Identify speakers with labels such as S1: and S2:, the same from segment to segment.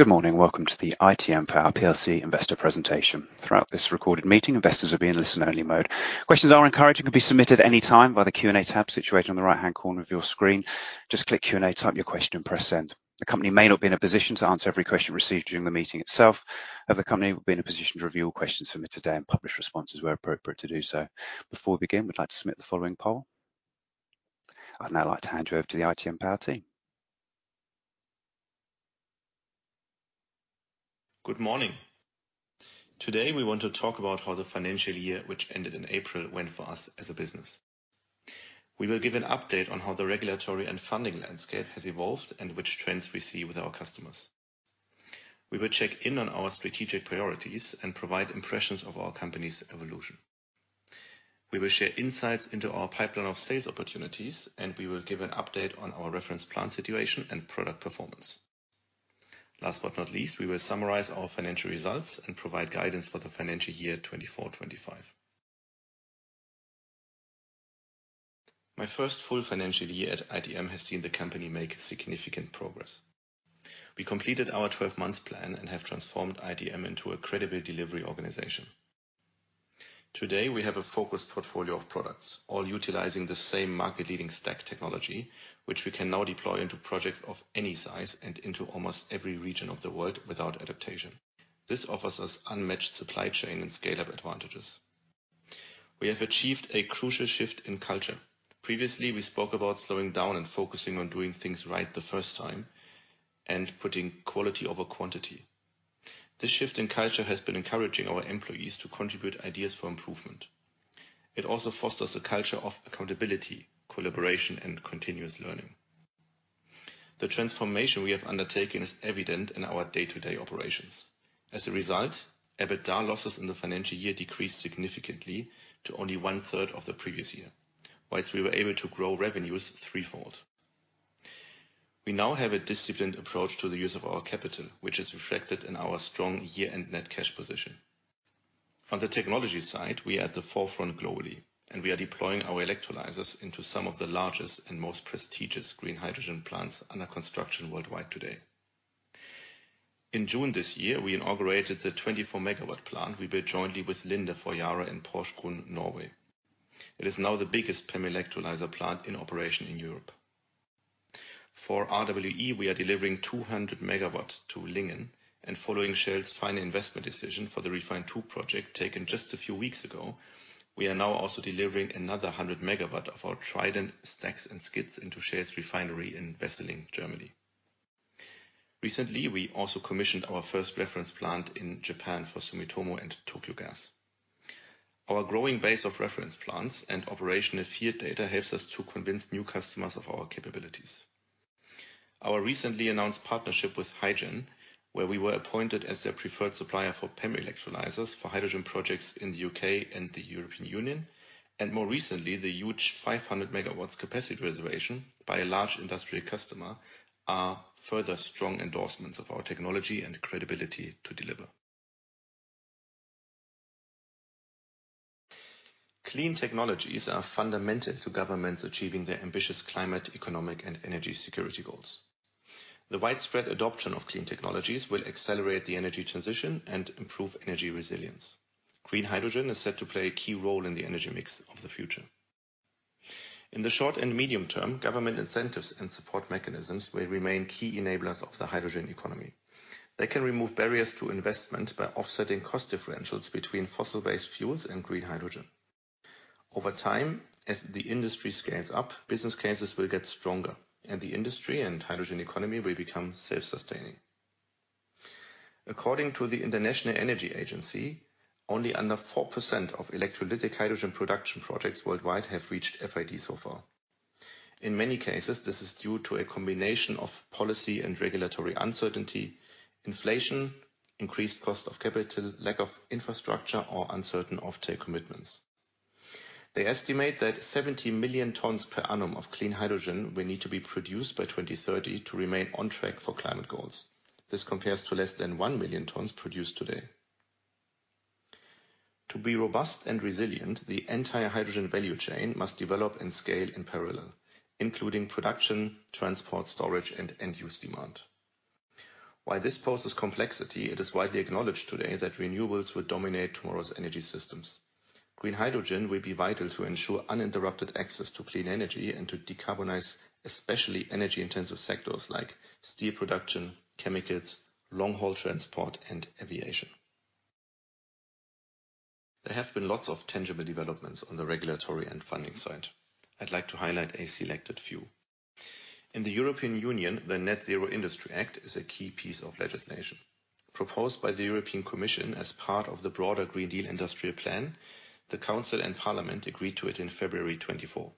S1: Good morning. Welcome to the ITM Power PLC investor presentation. Throughout this recorded meeting, investors will be in listen-only mode. Questions are encouraged and can be submitted anytime by the Q&A tab situated on the right-hand corner of your screen. Just click Q&A, type your question, and press Send. The company may not be in a position to answer every question received during the meeting itself, and the company will be in a position to review all questions submitted today and publish responses where appropriate to do so. Before we begin, we'd like to submit the following poll. I'd now like to hand you over to the ITM Power team.
S2: Good morning. Today, we want to talk about how the financial year, which ended in April, went for us as a business. We will give an update on how the regulatory and funding landscape has evolved and which trends we see with our customers. We will check in on our strategic priorities and provide impressions of our company's evolution. We will share insights into our pipeline of sales opportunities, and we will give an update on our reference plant situation and product performance. Last but not least, we will summarize our financial results and provide guidance for the financial year 2024, 2025. My first full financial year at ITM has seen the company make significant progress. We completed our 12 months plan and have transformed ITM into a credible delivery organization. Today, we have a focused portfolio of products, all utilizing the same market-leading stack technology, which we can now deploy into projects of any size and into almost every region of the world without adaptation. This offers us unmatched supply chain and scale-up advantages. We have achieved a crucial shift in culture. Previously, we spoke about slowing down and focusing on doing things right the first time and putting quality over quantity. This shift in culture has been encouraging our employees to contribute ideas for improvement. It also fosters a culture of accountability, collaboration, and continuous learning. The transformation we have undertaken is evident in our day-to-day operations. As a result, EBITDA losses in the financial year decreased significantly to only one-third of the previous year, while we were able to grow revenues threefold. We now have a disciplined approach to the use of our capital, which is reflected in our strong year-end net cash position. On the technology side, we are at the forefront globally, and we are deploying our electrolyzers into some of the largest and most prestigious green hydrogen plants under construction worldwide today. In June this year, we inaugurated the 24 MW plant we built jointly with Linde for Yara in Porsgrunn, Norway. It is now the biggest PEM electrolyzer plant in operation in Europe. For RWE, we are delivering 200 MW to Lingen, and following Shell's final investment decision for the REFHYNE II project, taken just a few weeks ago, we are now also delivering another 100 MW of our TRIDENT stacks and skids into Shell's refinery in Wesseling, Germany. Recently, we also commissioned our first reference plant in Japan for Sumitomo and Tokyo Gas. Our growing base of reference plants and operational field data helps us to convince new customers of our capabilities. Our recently announced partnership with HyGen, where we were appointed as their preferred supplier for PEM electrolyzers for hydrogen projects in the U.K. and the European Union, and more recently, the huge 500 MW capacity reservation by a large industrial customer, are further strong endorsements of our technology and credibility to deliver. Clean technologies are fundamental to governments achieving their ambitious climate, economic, and energy security goals. The widespread adoption of clean technologies will accelerate the energy transition and improve energy resilience. Green hydrogen is set to play a key role in the energy mix of the future. In the short and medium term, government incentives and support mechanisms will remain key enablers of the hydrogen economy. They can remove barriers to investment by offsetting cost differentials between fossil-based fuels and green hydrogen. Over time, as the industry scales up, business cases will get stronger, and the industry and hydrogen economy will become self-sustaining. According to the International Energy Agency, only under 4% of electrolytic hydrogen production projects worldwide have reached FID so far. In many cases, this is due to a combination of policy and regulatory uncertainty, inflation, increased cost of capital, lack of infrastructure, or uncertain offtake commitments. They estimate that 70 million tons per annum of clean hydrogen will need to be produced by 2030 to remain on track for climate goals. This compares to less than 1 million tons produced today. To be robust and resilient, the entire hydrogen value chain must develop and scale in parallel, including production, transport, storage, and end-use demand. While this poses complexity, it is widely acknowledged today that renewables will dominate tomorrow's energy systems. Green hydrogen will be vital to ensure uninterrupted access to clean energy and to decarbonize, especially energy-intensive sectors like steel production, chemicals, long-haul transport, and aviation. There have been lots of tangible developments on the regulatory and funding side. I'd like to highlight a selected few. In the European Union, the Net Zero Industry Act is a key piece of legislation. Proposed by the European Commission as part of the broader Green Deal Industrial Plan, the Council and Parliament agreed to it in February 2024.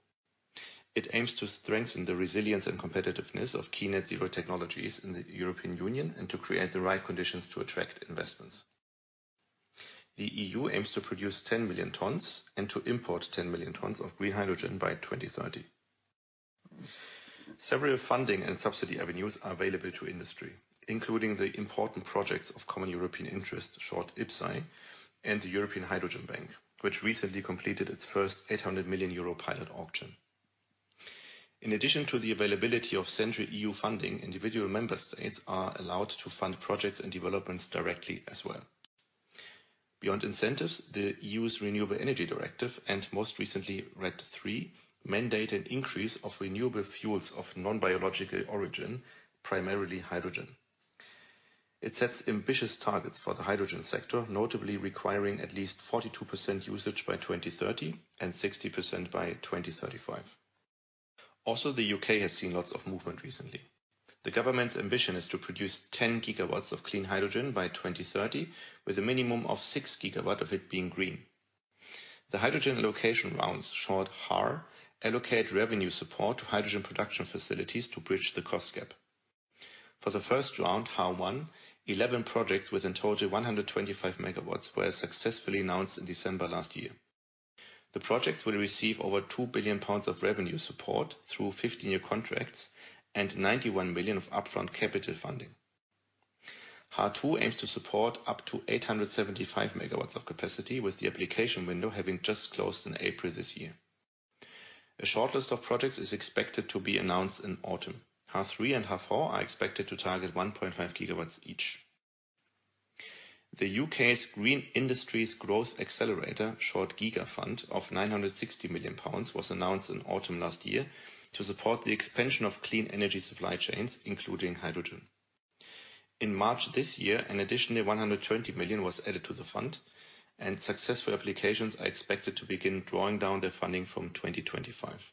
S2: It aims to strengthen the resilience and competitiveness of key net zero technologies in the European Union and to create the right conditions to attract investments. The EU aims to produce 10 million tons and to import 10 million tons of green hydrogen by 2030. Several funding and subsidy avenues are available to industry, including the Important Projects of Common European Interest, short IPCEI, and the European Hydrogen Bank, which recently completed its first 800 million euro pilot auction. In addition to the availability of central EU funding, individual member states are allowed to fund projects and developments directly as well. Beyond incentives, the EU's Renewable Energy Directive, and most recently, RED III, mandate an increase of renewable fuels of non-biological origin, primarily hydrogen. It sets ambitious targets for the hydrogen sector, notably requiring at least 42% usage by 2030, and 60% by 2035. Also, the U.K. has seen lots of movement recently. The government's ambition is to produce 10 gigawatts of clean hydrogen by 2030, with a minimum of 6 gigawatt of it being green. The Hydrogen Allocation Rounds, short HAR, allocate revenue support to hydrogen production facilities to bridge the cost gap. For the first round, HAR 1, 11 projects with in total 125 MW were successfully announced in December last year. The projects will receive over 2 billion pounds of revenue support through 15-year contracts and 91 million of upfront capital funding. HAR 2 aims to support up to 875 MW of capacity, with the application window having just closed in April this year. A shortlist of projects is expected to be announced in autumn. HAR 3 and HAR 4 are expected to target 1.5 GW each. The UK's Green Industries Growth Accelerator, short GIGA Fund, of 960 million pounds, was announced in autumn last year to support the expansion of clean energy supply chains, including hydrogen. In March this year, an additional 120 million was added to the fund, and successful applications are expected to begin drawing down their funding from 2025.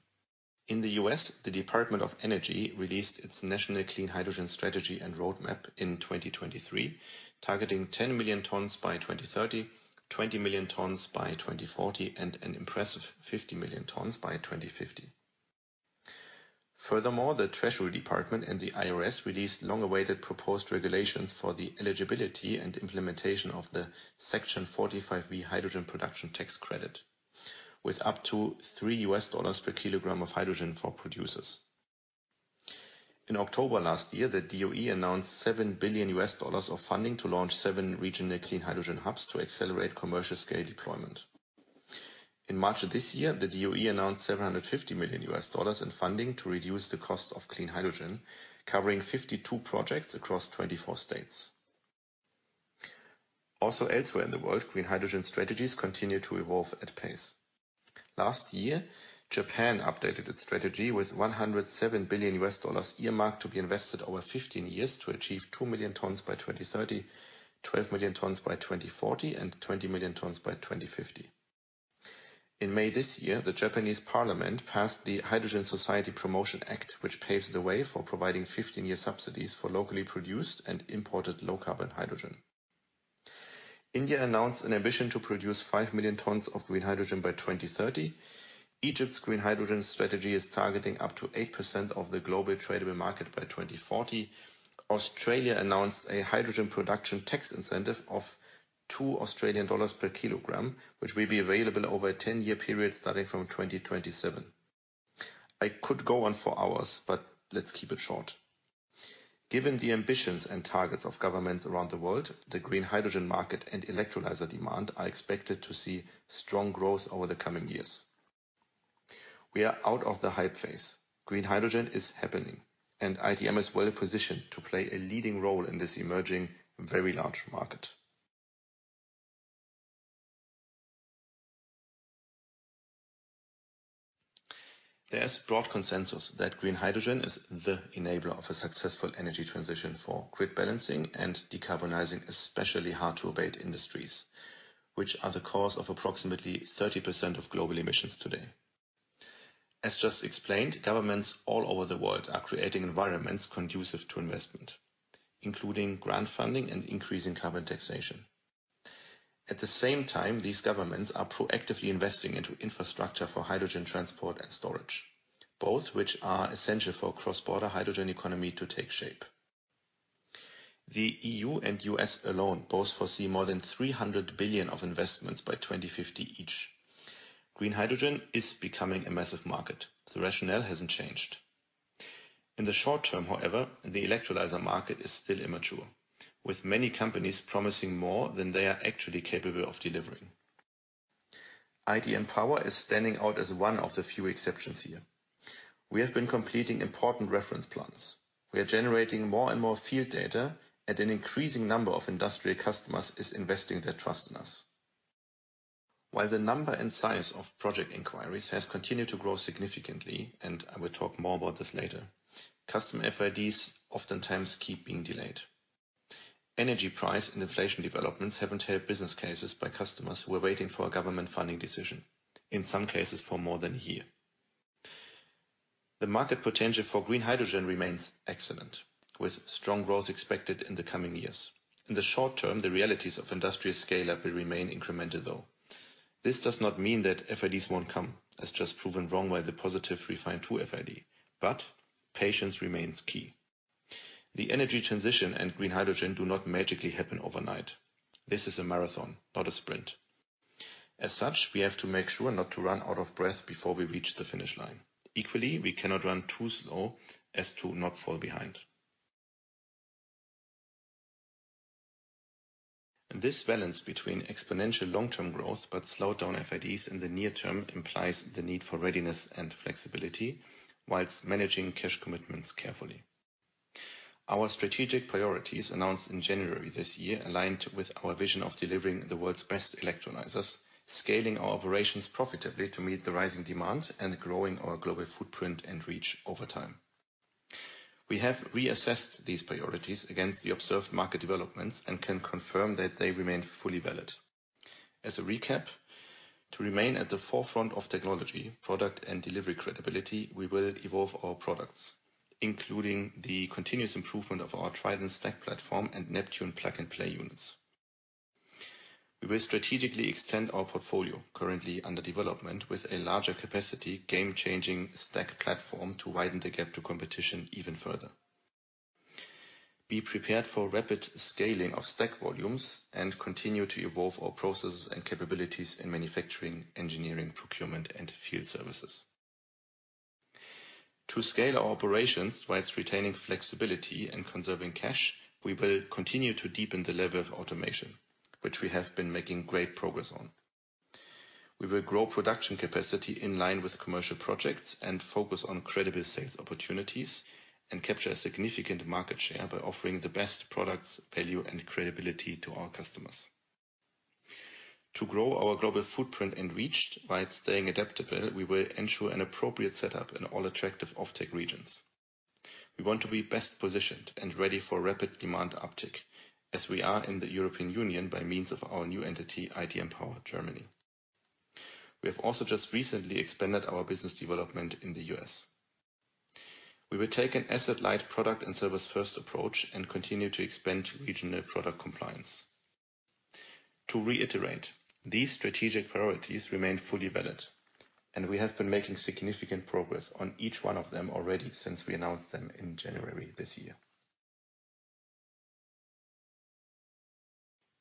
S2: In the US, the Department of Energy released its National Clean Hydrogen Strategy and Roadmap in 2023, targeting 10 million tons by 2030, 20 million tons by 2040, and an impressive 50 million tons by 2050. Furthermore, the Treasury Department and the IRS released long-awaited proposed regulations for the eligibility and implementation of the Section 45V hydrogen production tax credit, with up to $3 per kilogram of hydrogen for producers. In October last year, the DOE announced $7 billion of funding to launch seven regional clean hydrogen hubs to accelerate commercial scale deployment. In March of this year, the DOE announced $750 million in funding to reduce the cost of clean hydrogen, covering 52 projects across 24 states. Also elsewhere in the world, green hydrogen strategies continue to evolve at pace. Last year, Japan updated its strategy with $107 billion earmark to be invested over 15 years to achieve 2 million tons by 2030, 12 million tons by 2040, and 20 million tons by 2050. In May this year, the Japanese parliament passed the Hydrogen Society Promotion Act, which paves the way for providing 15-year subsidies for locally produced and imported low-carbon hydrogen. India announced an ambition to produce 5 million tons of green hydrogen by 2030. Egypt's green hydrogen strategy is targeting up to 8% of the global tradable market by 2040. Australia announced a hydrogen production tax incentive of 2 Australian dollars per kilogram, which will be available over a 10-year period starting from 2027. I could go on for hours, but let's keep it short. Given the ambitions and targets of governments around the world, the green hydrogen market and electrolyzer demand are expected to see strong growth over the coming years. We are out of the hype phase. Green hydrogen is happening, and ITM is well positioned to play a leading role in this emerging, very large market. There is broad consensus that green hydrogen is the enabler of a successful energy transition for grid balancing and decarbonizing, especially hard-to-abate industries, which are the cause of approximately 30% of global emissions today. As just explained, governments all over the world are creating environments conducive to investment, including grant funding and increasing carbon taxation. At the same time, these governments are proactively investing into infrastructure for hydrogen transport and storage, both which are essential for cross-border hydrogen economy to take shape. The EU and US alone both foresee more than $300 billion of investments by 2050 each. Green hydrogen is becoming a massive market. The rationale hasn't changed. In the short term, however, the electrolyzer market is still immature, with many companies promising more than they are actually capable of delivering. ITM Power is standing out as one of the few exceptions here. We have been completing important reference plants. We are generating more and more field data, and an increasing number of industrial customers is investing their trust in us. While the number and size of project inquiries has continued to grow significantly, and I will talk more about this later, customer FIDs oftentimes keep being delayed. Energy price and inflation developments haven't helped business cases by customers who are waiting for a government funding decision, in some cases for more than a year. The market potential for green hydrogen remains excellent, with strong growth expected in the coming years. In the short term, the realities of industrial scale-up will remain incremental, though. This does not mean that FIDs won't come, as just proven wrong by the positive REFHYNE II FID, but patience remains key. The energy transition and green hydrogen do not magically happen overnight. This is a marathon, not a sprint. As such, we have to make sure not to run out of breath before we reach the finish line. Equally, we cannot run too slow as to not fall behind... This balance between exponential long-term growth, but slowed-down FIDs in the near term, implies the need for readiness and flexibility, while managing cash commitments carefully. Our strategic priorities, announced in January this year, aligned with our vision of delivering the world's best electrolyzers, scaling our operations profitably to meet the rising demand, and growing our global footprint and reach over time. We have reassessed these priorities against the observed market developments and can confirm that they remain fully valid. As a recap, to remain at the forefront of technology, product and delivery credibility, we will evolve our products, including the continuous improvement of our TRIDENT Stack platform and Neptune Plug and Play units. We will strategically extend our portfolio, currently under development, with a larger capacity, game-changing stack platform to widen the gap to competition even further. Be prepared for rapid scaling of stack volumes, and continue to evolve our processes and capabilities in manufacturing, engineering, procurement, and field services. To scale our operations whilst retaining flexibility and conserving cash, we will continue to deepen the level of automation, which we have been making great progress on. We will grow production capacity in line with commercial projects and focus on credible sales opportunities, and capture a significant market share by offering the best products, value and credibility to our customers. To grow our global footprint and reach whilst staying adaptable, we will ensure an appropriate setup in all attractive offtake regions. We want to be best positioned and ready for rapid demand uptick, as we are in the European Union by means of our new entity, ITM Power Germany. We have also just recently expanded our business development in the U.S. We will take an asset-light product and service-first approach and continue to expand regional product compliance. To reiterate, these strategic priorities remain fully valid, and we have been making significant progress on each one of them already since we announced them in January this year.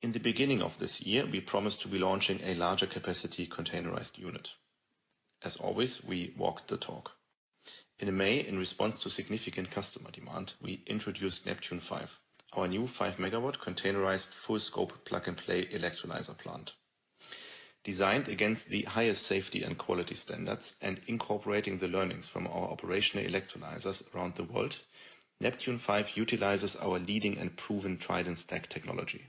S2: In the beginning of this year, we promised to be launching a larger capacity containerized unit. As always, we walked the talk. In May, in response to significant customer demand, we introduced NEPTUNE V, our new 5-MW containerized, full-scope, plug-and-play electrolyzer plant. Designed against the highest safety and quality standards and incorporating the learnings from our operational electrolyzers around the world, NEPTUNE V utilizes our leading and proven TRIDENT stack technology.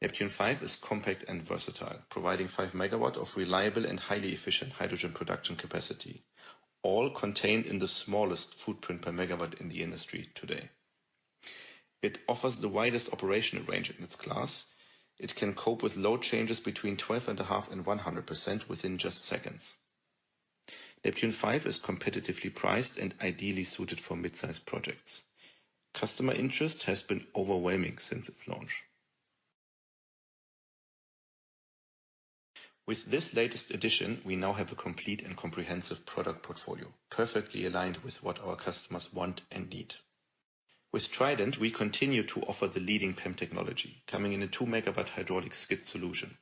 S2: NEPTUNE V is compact and versatile, providing 5 MW of reliable and highly efficient hydrogen production capacity, all contained in the smallest footprint per MW in the industry today. It offers the widest operational range in its class. It can cope with load changes between 12.5% and 100% within just seconds. NEPTUNE V is competitively priced and ideally suited for mid-size projects. Customer interest has been overwhelming since its launch. With this latest addition, we now have a complete and comprehensive product portfolio, perfectly aligned with what our customers want and need. With TRIDENT, we continue to offer the leading PEM technology, coming in a 2-megawatt hydraulic skid solution.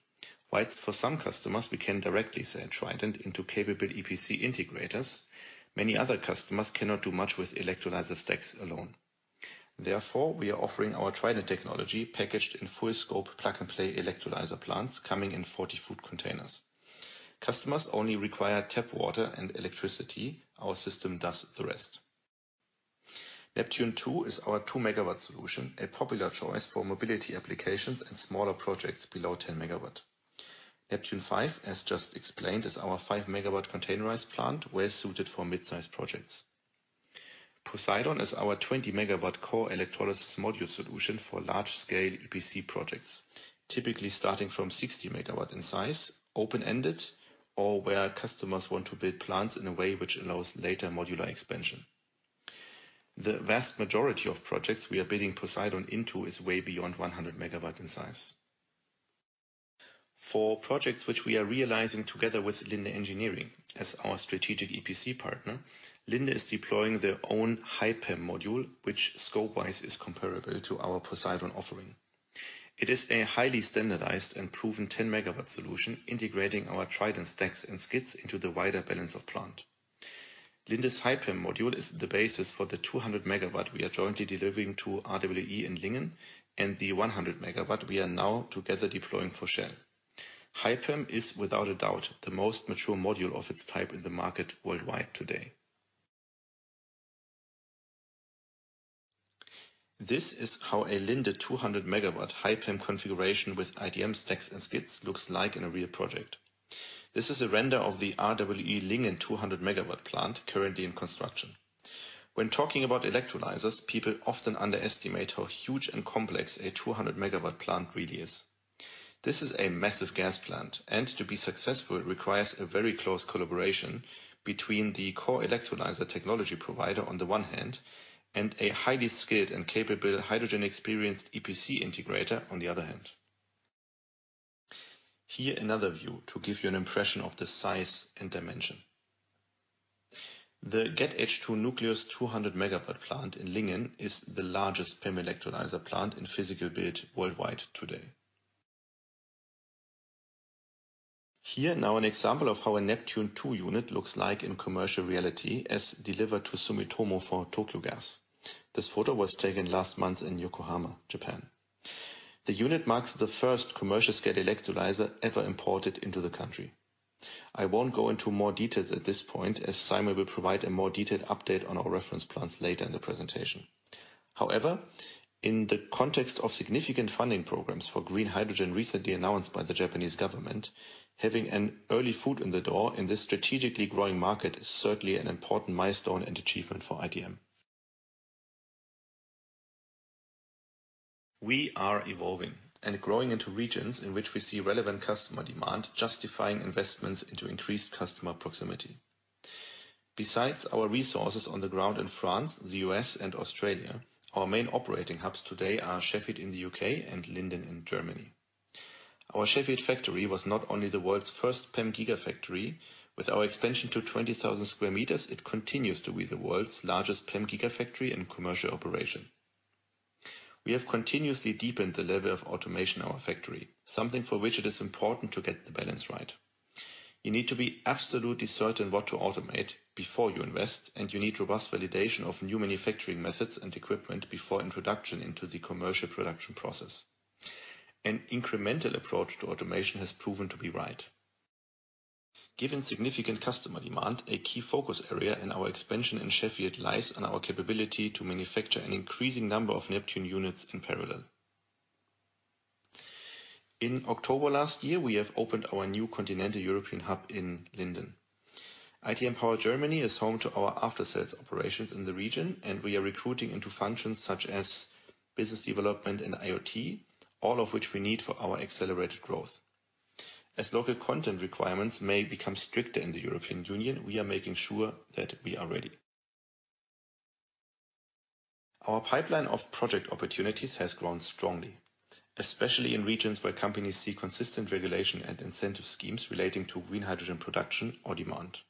S2: While for some customers, we can directly sell TRIDENT into capable EPC integrators, many other customers cannot do much with electrolyzer stacks alone. Therefore, we are offering our TRIDENT technology packaged in full-scope plug-and-play electrolyzer plants coming in 40-foot containers. Customers only require tap water and electricity. Our system does the rest. NEPTUNE II is our 2-MW solution, a popular choice for mobility applications and smaller projects below 10 MW. NEPTUNE V, as just explained, is our 5-MW containerized plant, well suited for mid-size projects. POSEIDON is our 20-MW core electrolysis module solution for large-scale EPC projects, typically starting from 60 MW in size, open-ended, or where customers want to build plants in a way which allows later modular expansion. The vast majority of projects we are building POSEIDON into is way beyond 100 MW in size. For projects which we are realizing together with Linde Engineering as our strategic EPC partner, Linde is deploying their own HyPEM module, which scope-wise is comparable to our POSEIDON offering. It is a highly standardized and proven 10-MW solution, integrating our TRIDENT stacks and skids into the wider balance of plant. Linde's HyPEM module is the basis for the 200 MW we are jointly delivering to RWE in Lingen and the 100 MW we are now together deploying for Shell. HyPEM is, without a doubt, the most mature module of its type in the market worldwide today. This is how a Linde 200-MW HyPEM configuration with ITM stacks and skids looks like in a real project. This is a render of the RWE Lingen 200-MW plant, currently in construction. When talking about electrolyzers, people often underestimate how huge and complex a 200-MW plant really is. This is a massive gas plant, and to be successful, requires a very close collaboration between the core electrolyzer technology provider on the one hand, and a highly skilled and capable hydrogen-experienced EPC integrator on the other hand. Here, another view to give you an impression of the size and dimension. The GET H2 Nucleus 200 MW plant in Lingen is the largest PEM electrolyzer plant in physical build worldwide today... Here, now an example of how a NEPTUNE II unit looks like in commercial reality, as delivered to Sumitomo for Tokyo Gas. This photo was taken last month in Yokohama, Japan. The unit marks the first commercial-scale electrolyzer ever imported into the country. I won't go into more details at this point, as Simon will provide a more detailed update on our reference plans later in the presentation. However, in the context of significant funding programs for green hydrogen, recently announced by the Japanese government, having an early foot in the door in this strategically growing market is certainly an important milestone and achievement for ITM. We are evolving and growing into regions in which we see relevant customer demand, justifying investments into increased customer proximity. Besides our resources on the ground in France, the U.S., and Australia, our main operating hubs today are Sheffield in the U.K. and Linden in Germany. Our Sheffield factory was not only the world's first PEM gigafactory, with our expansion to 20,000 square meters, it continues to be the world's largest PEM gigafactory in commercial operation. We have continuously deepened the level of automation in our factory, something for which it is important to get the balance right. You need to be absolutely certain what to automate before you invest, and you need robust validation of new manufacturing methods and equipment before introduction into the commercial production process. An incremental approach to automation has proven to be right. Given significant customer demand, a key focus area in our expansion in Sheffield lies on our capability to manufacture an increasing number of Neptune units in parallel. In October last year, we have opened our new continental European hub in Linden. ITM Power Germany is home to our after-sales operations in the region, and we are recruiting into functions such as business development and IoT, all of which we need for our accelerated growth. As local content requirements may become stricter in the European Union, we are making sure that we are ready. Our pipeline of project opportunities has grown strongly, especially in regions where companies see consistent regulation and incentive schemes relating to green hydrogen production or demand.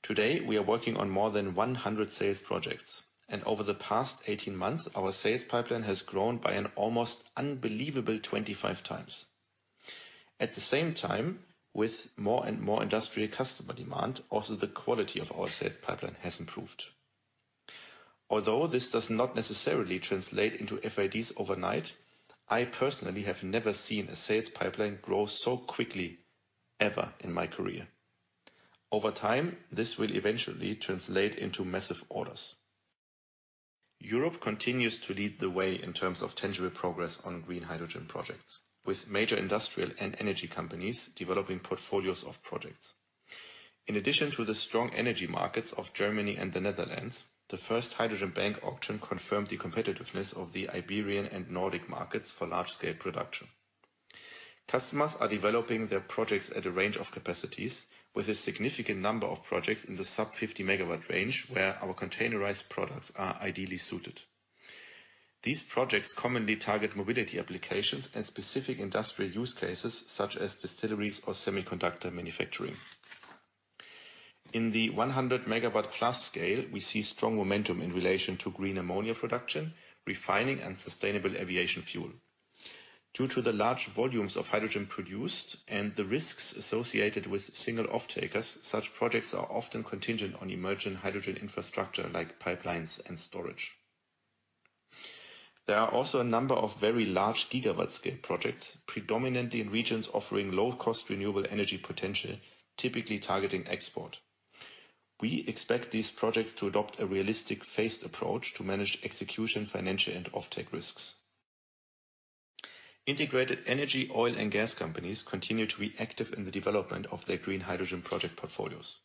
S2: Today, we are working on more than 100 sales projects, and over the past 18 months, our sales pipeline has grown by an almost unbelievable 25 times. At the same time, with more and more industrial customer demand, also the quality of our sales pipeline has improved. Although this does not necessarily translate into FIDs overnight, I personally have never seen a sales pipeline grow so quickly, ever in my career. Over time, this will eventually translate into massive orders. Europe continues to lead the way in terms of tangible progress on green hydrogen projects, with major industrial and energy companies developing portfolios of projects. In addition to the strong energy markets of Germany and the Netherlands, the first hydrogen bank auction confirmed the competitiveness of the Iberian and Nordic markets for large-scale production. Customers are developing their projects at a range of capacities, with a significant number of projects in the sub-50 megawatt range, where our containerized products are ideally suited. These projects commonly target mobility applications and specific industrial use cases, such as distilleries or semiconductor manufacturing. In the 100 megawatt-plus scale, we see strong momentum in relation to green ammonia production, refining and sustainable aviation fuel. Due to the large volumes of hydrogen produced and the risks associated with single offtakers, such projects are often contingent on emerging hydrogen infrastructure, like pipelines and storage. There are also a number of very large gigawatt-scale projects, predominantly in regions offering low-cost, renewable energy potential, typically targeting export. We expect these projects to adopt a realistic phased approach to manage execution, financial, and offtake risks. Integrated energy, oil, and gas companies continue to be active in the development of their green hydrogen project portfolios.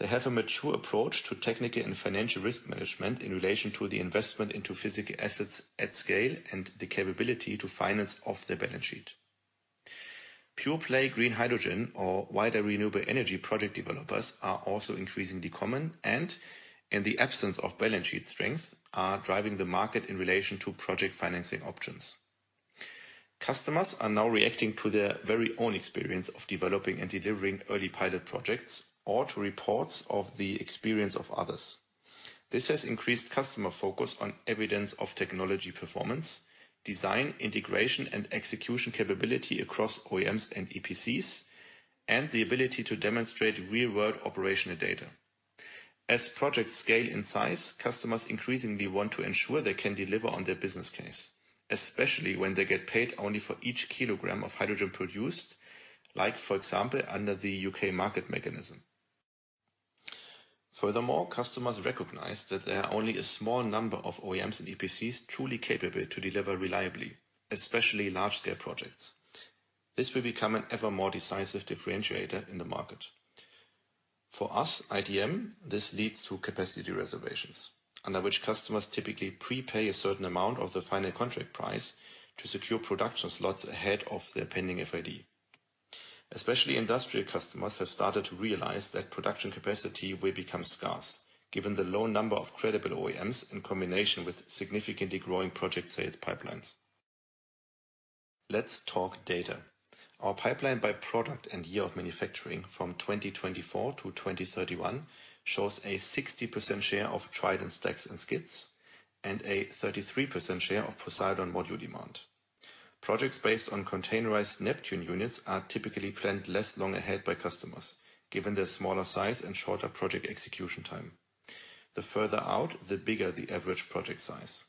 S2: They have a mature approach to technical and financial risk management in relation to the investment into physical assets at scale, and the capability to finance off their balance sheet. Pure-play green hydrogen or wider renewable energy project developers are also increasingly common and, in the absence of balance sheet strength, are driving the market in relation to project financing options. Customers are now reacting to their very own experience of developing and delivering early pilot projects, or to reports of the experience of others. This has increased customer focus on evidence of technology performance, design, integration and execution capability across OEMs and EPCs, and the ability to demonstrate real-world operational data. As projects scale in size, customers increasingly want to ensure they can deliver on their business case, especially when they get paid only for each kilogram of hydrogen produced, like, for example, under the UK market mechanism. Furthermore, customers recognize that there are only a small number of OEMs and EPCs truly capable to deliver reliably, especially large-scale projects. This will become an ever more decisive differentiator in the market. For us, ITM, this leads to capacity reservations, under which customers typically prepay a certain amount of the final contract price to secure production slots ahead of their pending FID. Especially industrial customers have started to realize that production capacity will become scarce, given the low number of credible OEMs in combination with significantly growing project sales pipelines. Let's talk data. Our pipeline by product and year of manufacturing from 2024 to 2031 shows a 60% share of TRIDENT stacks and skids, and a 33% share of Poseidon module demand. Projects based on containerized Neptune units are typically planned less long ahead by customers, given their smaller size and shorter project execution time. The further out, the bigger the average project size.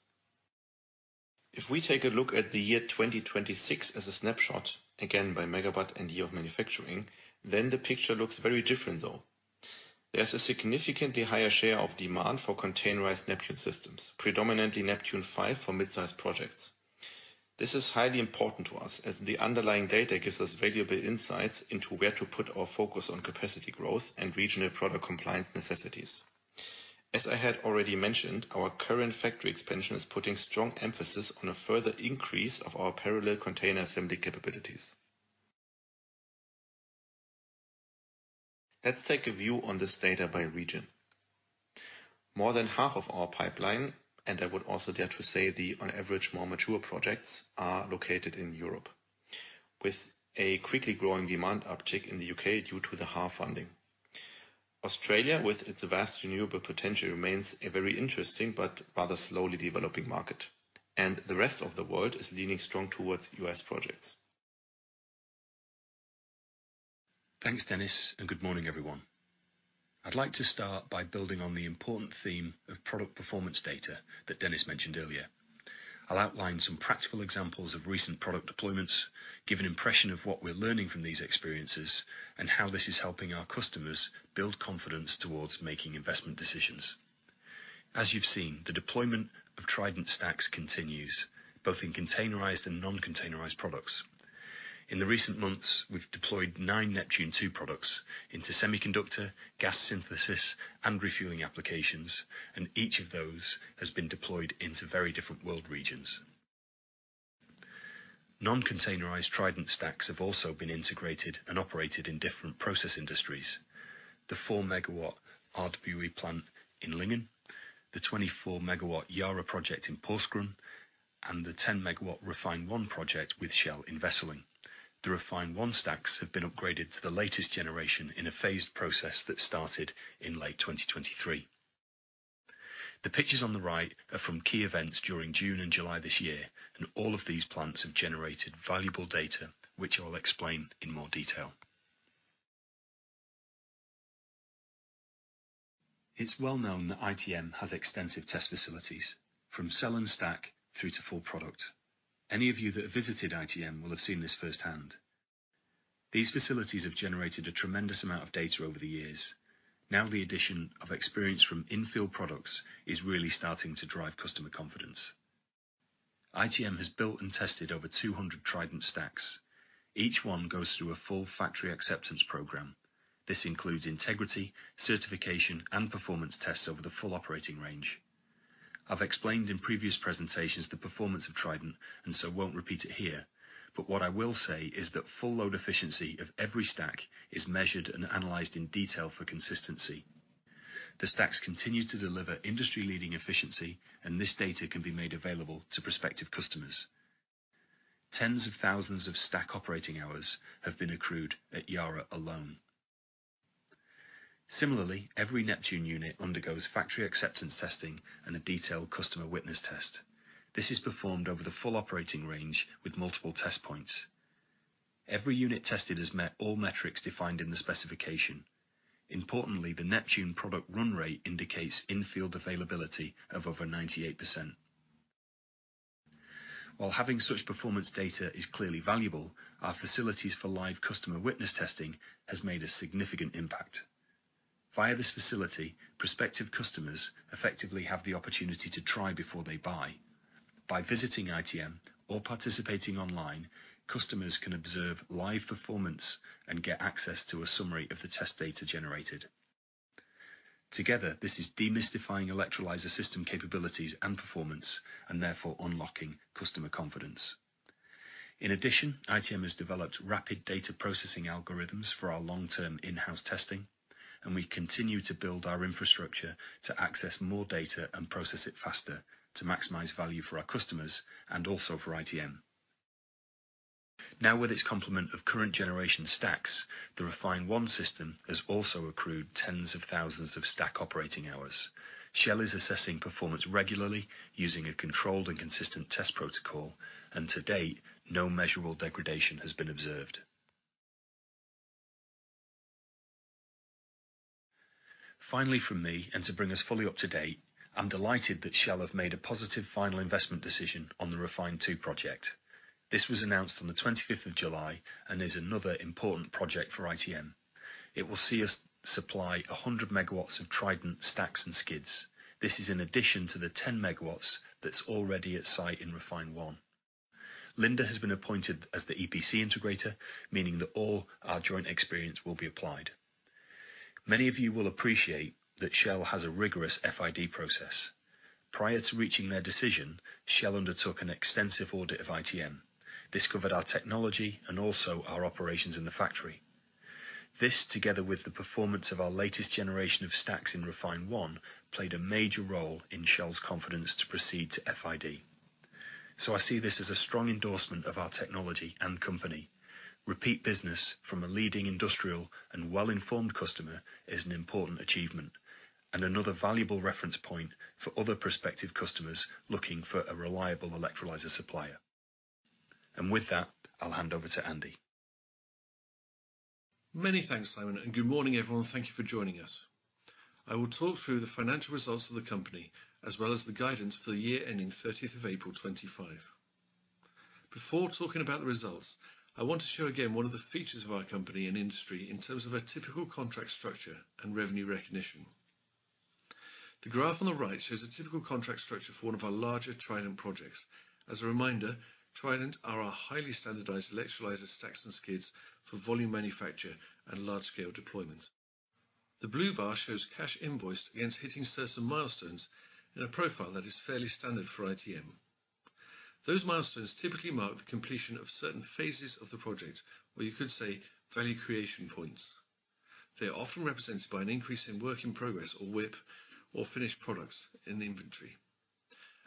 S2: If we take a look at the year 2026 as a snapshot, again, by megawatt and year of manufacturing, then the picture looks very different, though. There's a significantly higher share of demand for containerized Neptune systems, predominantly Neptune V for mid-sized projects. This is highly important to us, as the underlying data gives us valuable insights into where to put our focus on capacity growth and regional product compliance necessities. As I had already mentioned, our current factory expansion is putting strong emphasis on a further increase of our parallel container assembly capabilities. Let's take a view on this data by region. More than half of our pipeline, and I would also dare to say, the on average, more mature projects, are located in Europe, with a quickly growing demand uptick in the U.K. due to the HAR funding. Australia, with its vast renewable potential, remains a very interesting but rather slowly developing market, and the rest of the world is leaning strong towards U.S. projects.
S3: Thanks, Dennis, and good morning, everyone. I'd like to start by building on the important theme of product performance data that Dennis mentioned earlier. I'll outline some practical examples of recent product deployments, give an impression of what we're learning from these experiences, and how this is helping our customers build confidence towards making investment decisions. As you've seen, the deployment of TRIDENT stacks continues both in containerized and non-containerized products. In the recent months, we've deployed 9 Neptune II products into semiconductor, gas synthesis, and refueling applications, and each of those has been deployed into very different world regions. Non-containerized TRIDENT stacks have also been integrated and operated in different process industries. The 4-MW RWE plant in Lingen, the 24-MW Yara project in Porsgrunn, and the 10-MW REFHYNE project with Shell in Wesseling. The REFHYNE stacks have been upgraded to the latest generation in a phased process that started in late 2023. The pictures on the right are from key events during June and July this year, and all of these plants have generated valuable data, which I'll explain in more detail. It's well known that ITM has extensive test facilities, from cell and stack through to full product. Any of you that have visited ITM will have seen this firsthand. These facilities have generated a tremendous amount of data over the years. Now, the addition of experience from in-field products is really starting to drive customer confidence. ITM has built and tested over 200 TRIDENT stacks. Each one goes through a full factory acceptance program. This includes integrity, certification, and performance tests over the full operating range. I've explained in previous presentations the performance of TRIDENT, and so won't repeat it here, but what I will say is that full load efficiency of every stack is measured and analyzed in detail for consistency. The stacks continue to deliver industry-leading efficiency, and this data can be made available to prospective customers. Tens of thousands of stack operating hours have been accrued at Yara alone. Similarly, every Neptune unit undergoes factory acceptance testing and a detailed customer witness test. This is performed over the full operating range with multiple test points. Every unit tested has met all metrics defined in the specification. Importantly, the Neptune product run rate indicates in-field availability of over 98%. While having such performance data is clearly valuable, our facilities for live customer witness testing has made a significant impact. Via this facility, prospective customers effectively have the opportunity to try before they buy. By visiting ITM or participating online, customers can observe live performance and get access to a summary of the test data generated. Together, this is demystifying electrolyzer system capabilities and performance, and therefore unlocking customer confidence. In addition, ITM has developed rapid data processing algorithms for our long-term in-house testing, and we continue to build our infrastructure to access more data and process it faster to maximize value for our customers and also for ITM. Now, with its complement of current generation stacks, the REFHYNE system has also accrued tens of thousands of stack operating hours. Shell is assessing performance regularly, using a controlled and consistent test protocol, and to date, no measurable degradation has been observed. Finally, from me, and to bring us fully up to date, I'm delighted that Shell have made a positive final investment decision on the REFHYNE II project. This was announced on the 25th of July and is another important project for ITM. It will see us supply 100 MW of TRIDENT stacks and skids. This is in addition to the 10 MW that's already at site in REFHYNE. Linde has been appointed as the EPC integrator, meaning that all our joint experience will be applied. Many of you will appreciate that Shell has a rigorous FID process. Prior to reaching their decision, Shell undertook an extensive audit of ITM. This covered our technology and also our operations in the factory. This, together with the performance of our latest generation of stacks in REFHYNE, played a major role in Shell's confidence to proceed to FID. So I see this as a strong endorsement of our technology and company. Repeat business from a leading industrial and well-informed customer is an important achievement, and another valuable reference point for other prospective customers looking for a reliable electrolyzer supplier. With that, I'll hand over to Andy.
S4: Many thanks, Simon, and good morning, everyone. Thank you for joining us. I will talk through the financial results of the company, as well as the guidance for the year ending 30th of April 2025. Before talking about the results, I want to show again one of the features of our company and industry in terms of a typical contract structure and revenue recognition. The graph on the right shows a typical contract structure for one of our larger TRIDENT projects. As a reminder, TRIDENT are our highly standardized electrolyzer stacks and skids for volume manufacture and large-scale deployment. The blue bar shows cash invoiced against hitting certain milestones in a profile that is fairly standard for ITM. Those milestones typically mark the completion of certain phases of the project, or you could say value creation points. They are often represented by an increase in work in progress, or WIP, or finished products in the inventory.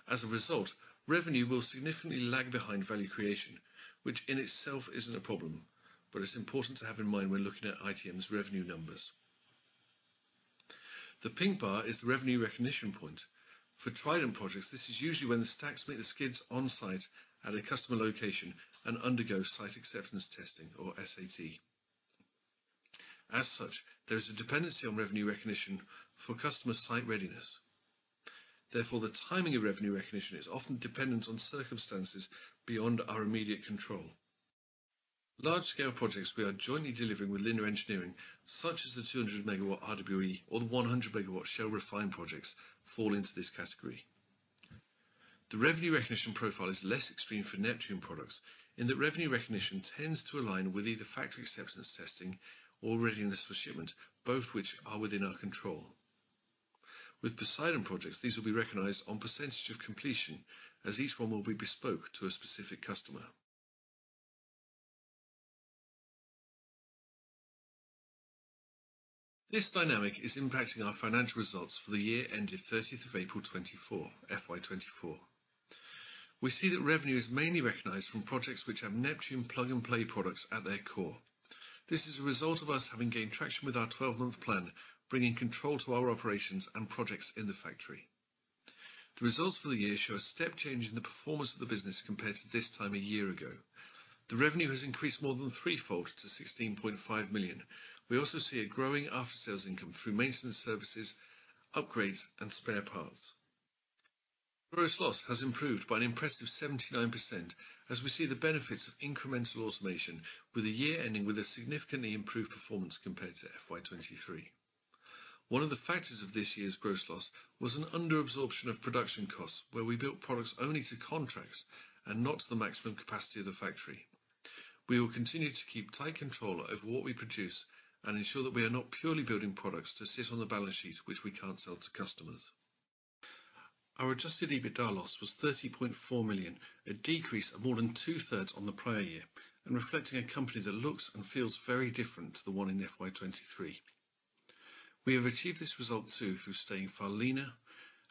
S4: As a result, revenue will significantly lag behind value creation, which in itself isn't a problem, but it's important to have in mind when looking at ITM's revenue numbers. The pink bar is the revenue recognition point. For TRIDENT projects, this is usually when the stacks meet the skids on-site at a customer location and undergo site acceptance testing or SAT. As such, there is a dependency on revenue recognition for customer site readiness. Therefore, the timing of revenue recognition is often dependent on circumstances beyond our immediate control. Large-scale projects we are jointly delivering with Linde Engineering, such as the 200 MW RWE or the 100 MW Shell REFHYNE projects, fall into this category. The revenue recognition profile is less extreme for Neptune products, in that revenue recognition tends to align with either factory acceptance testing or readiness for shipment, both which are within our control. With Poseidon projects, these will be recognized on percentage of completion, as each one will be bespoke to a specific customer. This dynamic is impacting our financial results for the year ended 30th of April 2024, FY 2024. We see that revenue is mainly recognized from projects which have Neptune plug-and-play products at their core. This is a result of us having gained traction with our 12-month plan, bringing control to our operations and projects in the factory. The results for the year show a step change in the performance of the business compared to this time a year ago. The revenue has increased more than threefold to 16.5 million. We also see a growing after-sales income through maintenance services, upgrades, and spare parts. Gross loss has improved by an impressive 79%, as we see the benefits of incremental automation with the year ending with a significantly improved performance compared to FY 2023. One of the factors of this year's gross loss was an underabsorption of production costs, where we built products only to contracts and not to the maximum capacity of the factory. We will continue to keep tight control over what we produce and ensure that we are not purely building products to sit on the balance sheet, which we can't sell to customers. Our Adjusted EBITDA loss was 30.4 million, a decrease of more than two-thirds on the prior year, and reflecting a company that looks and feels very different to the one in FY 2023. We have achieved this result, too, through staying far leaner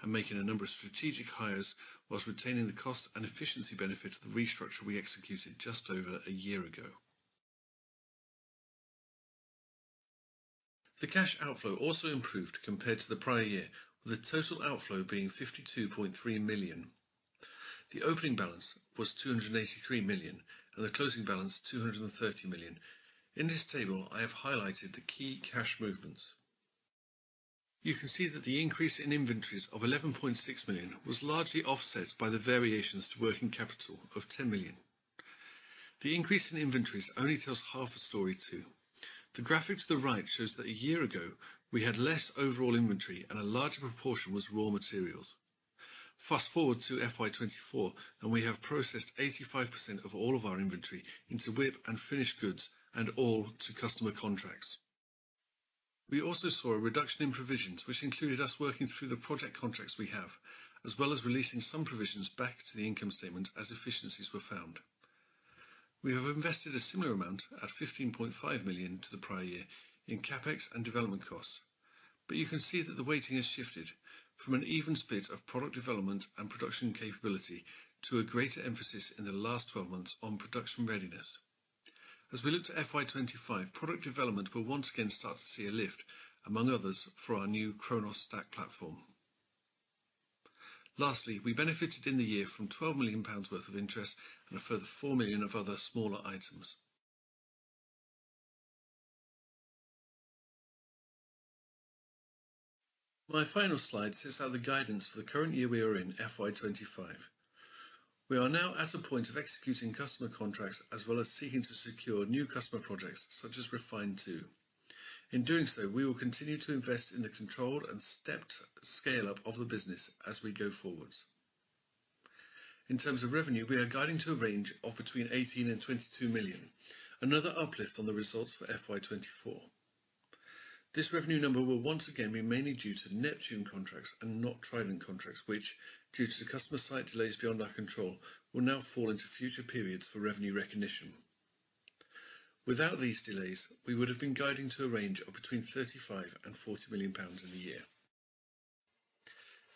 S4: and making a number of strategic hires, while retaining the cost and efficiency benefit of the restructure we executed just over a year ago. The cash outflow also improved compared to the prior year, with the total outflow being 52.3 million. The opening balance was 283 million, and the closing balance, 230 million. In this table, I have highlighted the key cash movements. You can see that the increase in inventories of 11.6 million was largely offset by the variations to working capital of 10 million. The increase in inventories only tells half a story, too. The graphic to the right shows that a year ago, we had less overall inventory, and a larger proportion was raw materials. Fast-forward to FY 2024, and we have processed 85% of all of our inventory into WIP and finished goods, and all to customer contracts. We also saw a reduction in provisions, which included us working through the project contracts we have, as well as releasing some provisions back to the income statement as efficiencies were found. We have invested a similar amount at 15.5 million to the prior year in CapEx and development costs, but you can see that the weighting has shifted from an even split of product development and production capability to a greater emphasis in the last 12 months on production readiness. As we look to FY 2025, product development will once again start to see a lift, among others, for our new CHRONOS stack platform. Lastly, we benefited in the year from 12 million pounds worth of interest and a further 4 million of other smaller items. My final slide sets out the guidance for the current year we are in, FY 2025. We are now at a point of executing customer contracts, as well as seeking to secure new customer projects, such as REFHYNE II. In doing so, we will continue to invest in the controlled and stepped scale-up of the business as we go forward. In terms of revenue, we are guiding to a range of between 18 million and 22 million, another uplift on the results for FY 2024. This revenue number will once again be mainly due to Neptune contracts and not TRIDENT contracts, which, due to the customer site delays beyond our control, will now fall into future periods for revenue recognition. Without these delays, we would have been guiding to a range of between 35 million and 40 million pounds in the year.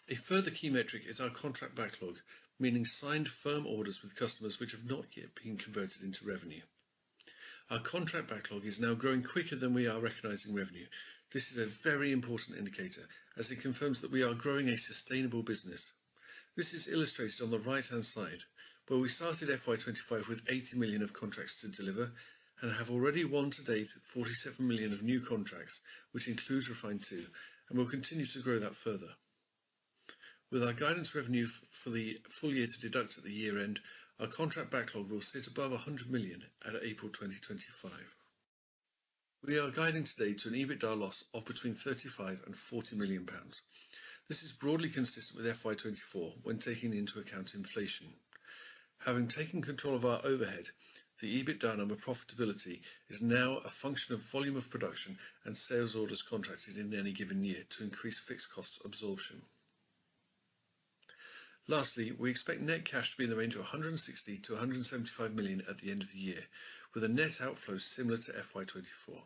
S4: A further key metric is our contract backlog, meaning signed firm orders with customers which have not yet been converted into revenue. Our contract backlog is now growing quicker than we are recognizing revenue. This is a very important indicator, as it confirms that we are growing a sustainable business. This is illustrated on the right-hand side, where we started FY 2025 with 80 million of contracts to deliver and have already won to date 47 million of new contracts, which includes REFHYNE II, and we'll continue to grow that further. With our guidance revenue for the full year to deduct at the year-end, our contract backlog will sit above 100 million at April 2025. We are guiding today to an EBITDA loss of between 35 million and 40 million pounds. This is broadly consistent with FY 2024 when taking into account inflation. Having taken control of our overhead, the EBITDA number profitability is now a function of volume of production and sales orders contracted in any given year to increase fixed cost absorption. Lastly, we expect net cash to be in the range of 160 million to 175 million at the end of the year, with a net outflow similar to FY 2024.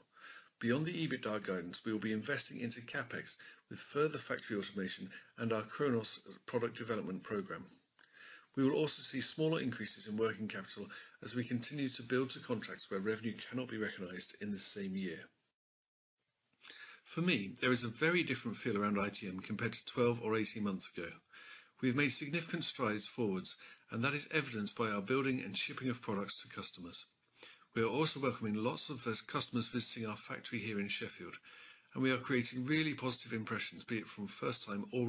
S4: Beyond the EBITDA guidance, we will be investing into CapEx with further factory automation and our CHRONOS product development program. We will also see smaller increases in working capital as we continue to build to contracts where revenue cannot be recognized in the same year. For me, there is a very different feel around ITM compared to 12 or 18 months ago. We have made significant strides forward, and that is evidenced by our building and shipping of products to customers. We are also welcoming lots of those customers visiting our factory here in Sheffield, and we are creating really positive impressions, be it from first-time or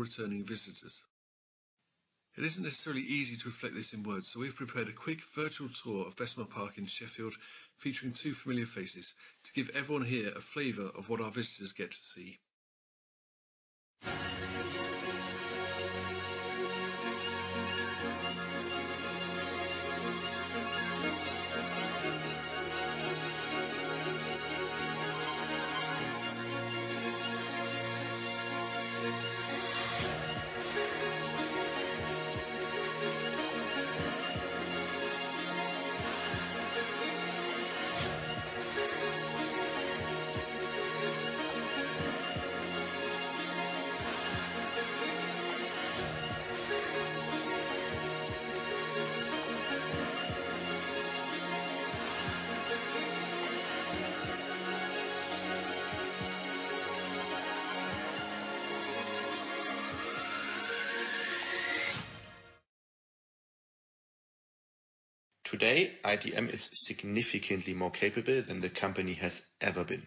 S4: returning visitors. It isn't necessarily easy to reflect this in words, so we've prepared a quick virtual tour of Bessemer Park in Sheffield, featuring two familiar faces, to give everyone here a flavor of what our visitors get to see.
S2: Today, ITM is significantly more capable than the company has ever been.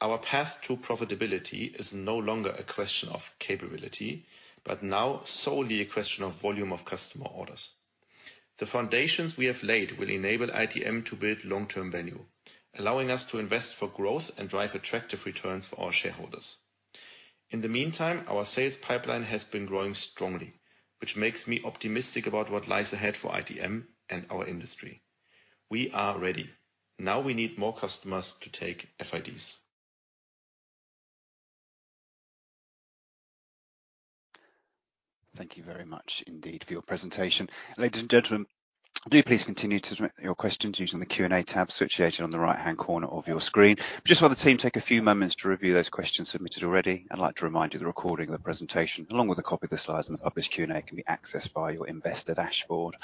S2: Our path to profitability is no longer a question of capability, but now solely a question of volume of customer orders. The foundations we have laid will enable ITM to build long-term value, allowing us to invest for growth and drive attractive returns for our shareholders. In the meantime, our sales pipeline has been growing strongly, which makes me optimistic about what lies ahead for ITM and our industry. We are ready. Now we need more customers to take FIDs.
S1: Thank you very much indeed for your presentation. Ladies and gentlemen, do please continue to submit your questions using the Q&A tab situated on the right-hand corner of your screen. Just while the team take a few moments to review those questions submitted already, I'd like to remind you the recording of the presentation, along with a copy of the slides and the published Q&A, can be accessed via your investor dashboard.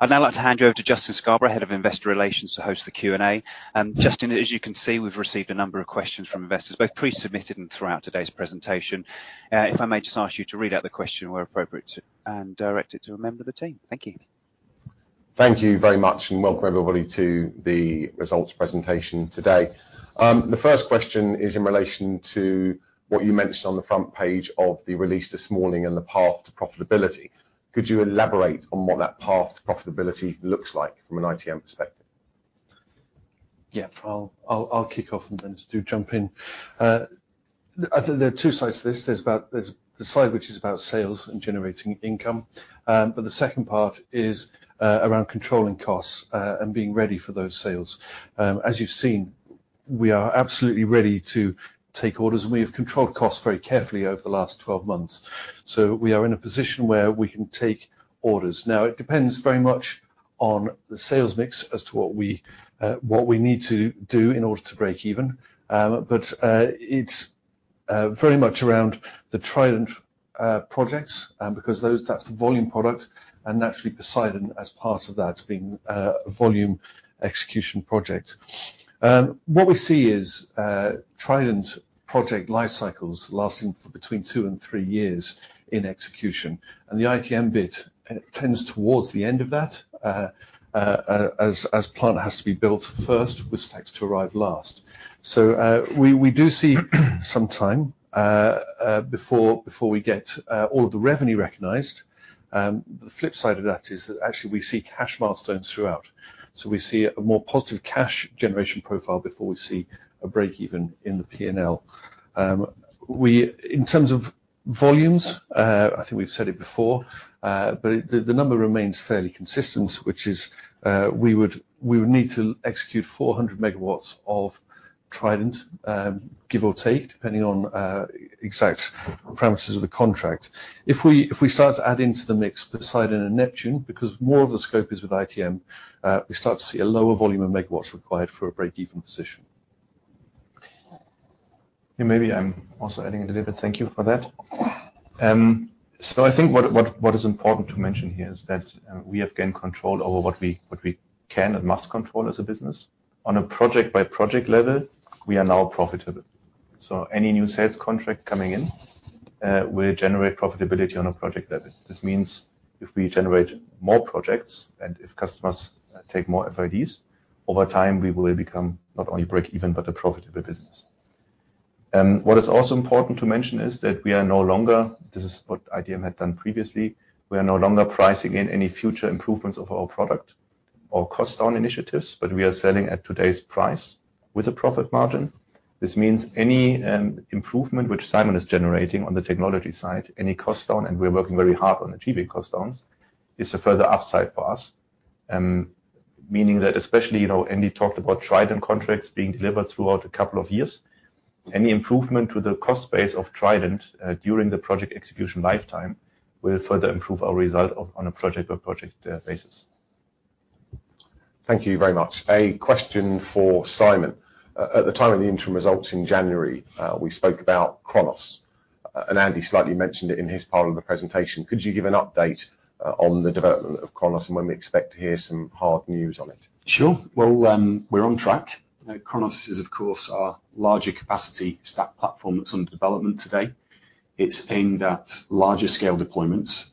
S1: I'd now like to hand you over to Justin Scarborough, Head of Investor Relations, to host the Q&A. And Justin, as you can see, we've received a number of questions from investors, both pre-submitted and throughout today's presentation. If I may just ask you to read out the question where appropriate, and direct it to a member of the team. Thank you.
S5: Thank you very much, and welcome, everybody, to the results presentation today. The first question is in relation to what you mentioned on the front page of the release this morning and the path to profitability. Could you elaborate on what that path to profitability looks like from an ITM perspective?
S4: Yeah. I'll kick off and then you just jump in. I think there are two sides to this. There's the side which is about sales and generating income, but the second part is around controlling costs and being ready for those sales. As you've seen, we are absolutely ready to take orders, and we have controlled costs very carefully over the last 12 months. So we are in a position where we can take orders. Now, it depends very much on the sales mix as to what we need to do in order to break even. But it's very much around the TRIDENT projects because those, that's the volume product, and naturally, Poseidon as part of that being a volume execution project. What we see is, TRIDENT project life cycles lasting for between 2 and 3 years in execution, and the ITM bit tends towards the end of that, as plant has to be built first, with stacks to arrive last. So, we do see some time before we get all of the revenue recognized. The flip side of that is that actually we see cash milestones throughout. So we see a more positive cash generation profile before we see a break even in the P&L. In terms of volumes, I think we've said it before, but it. The number remains fairly consistent, which is, we would need to execute 400 MW of TRIDENT, give or take, depending on exact parameters of the contract. If we start to add into the mix Poseidon and Neptune, because more of the scope is with ITM, we start to see a lower volume of megawatts required for a break-even position. ...
S2: Yeah, maybe I'm also adding a little bit. Thank you for that. So I think what is important to mention here is that we have gained control over what we can and must control as a business. On a project-by-project level, we are now profitable. So any new sales contract coming in will generate profitability on a project level. This means if we generate more projects, and if customers take more FIDs, over time, we will become not only break even, but a profitable business. What is also important to mention is that we are no longer. This is what ITM had done previously. We are no longer pricing in any future improvements of our product or cost-down initiatives, but we are selling at today's price with a profit margin. This means any improvement, which Simon is generating on the technology side, any cost down, and we're working very hard on achieving cost downs, is a further upside for us. Meaning that especially, you know, Andy talked about TRIDENT contracts being delivered throughout a couple of years. Any improvement to the cost base of TRIDENT, during the project execution lifetime, will further improve our results on a project-by-project basis.
S5: Thank you very much. A question for Simon. At the time of the interim results in January, we spoke about CHRONOS, and Andy slightly mentioned it in his part of the presentation. Could you give an update on the development of CHRONOS and when we expect to hear some hard news on it?
S3: Sure. Well, we're on track. You know, CHRONOS is, of course, our larger capacity stack platform that's under development today. It's aimed at larger scale deployments,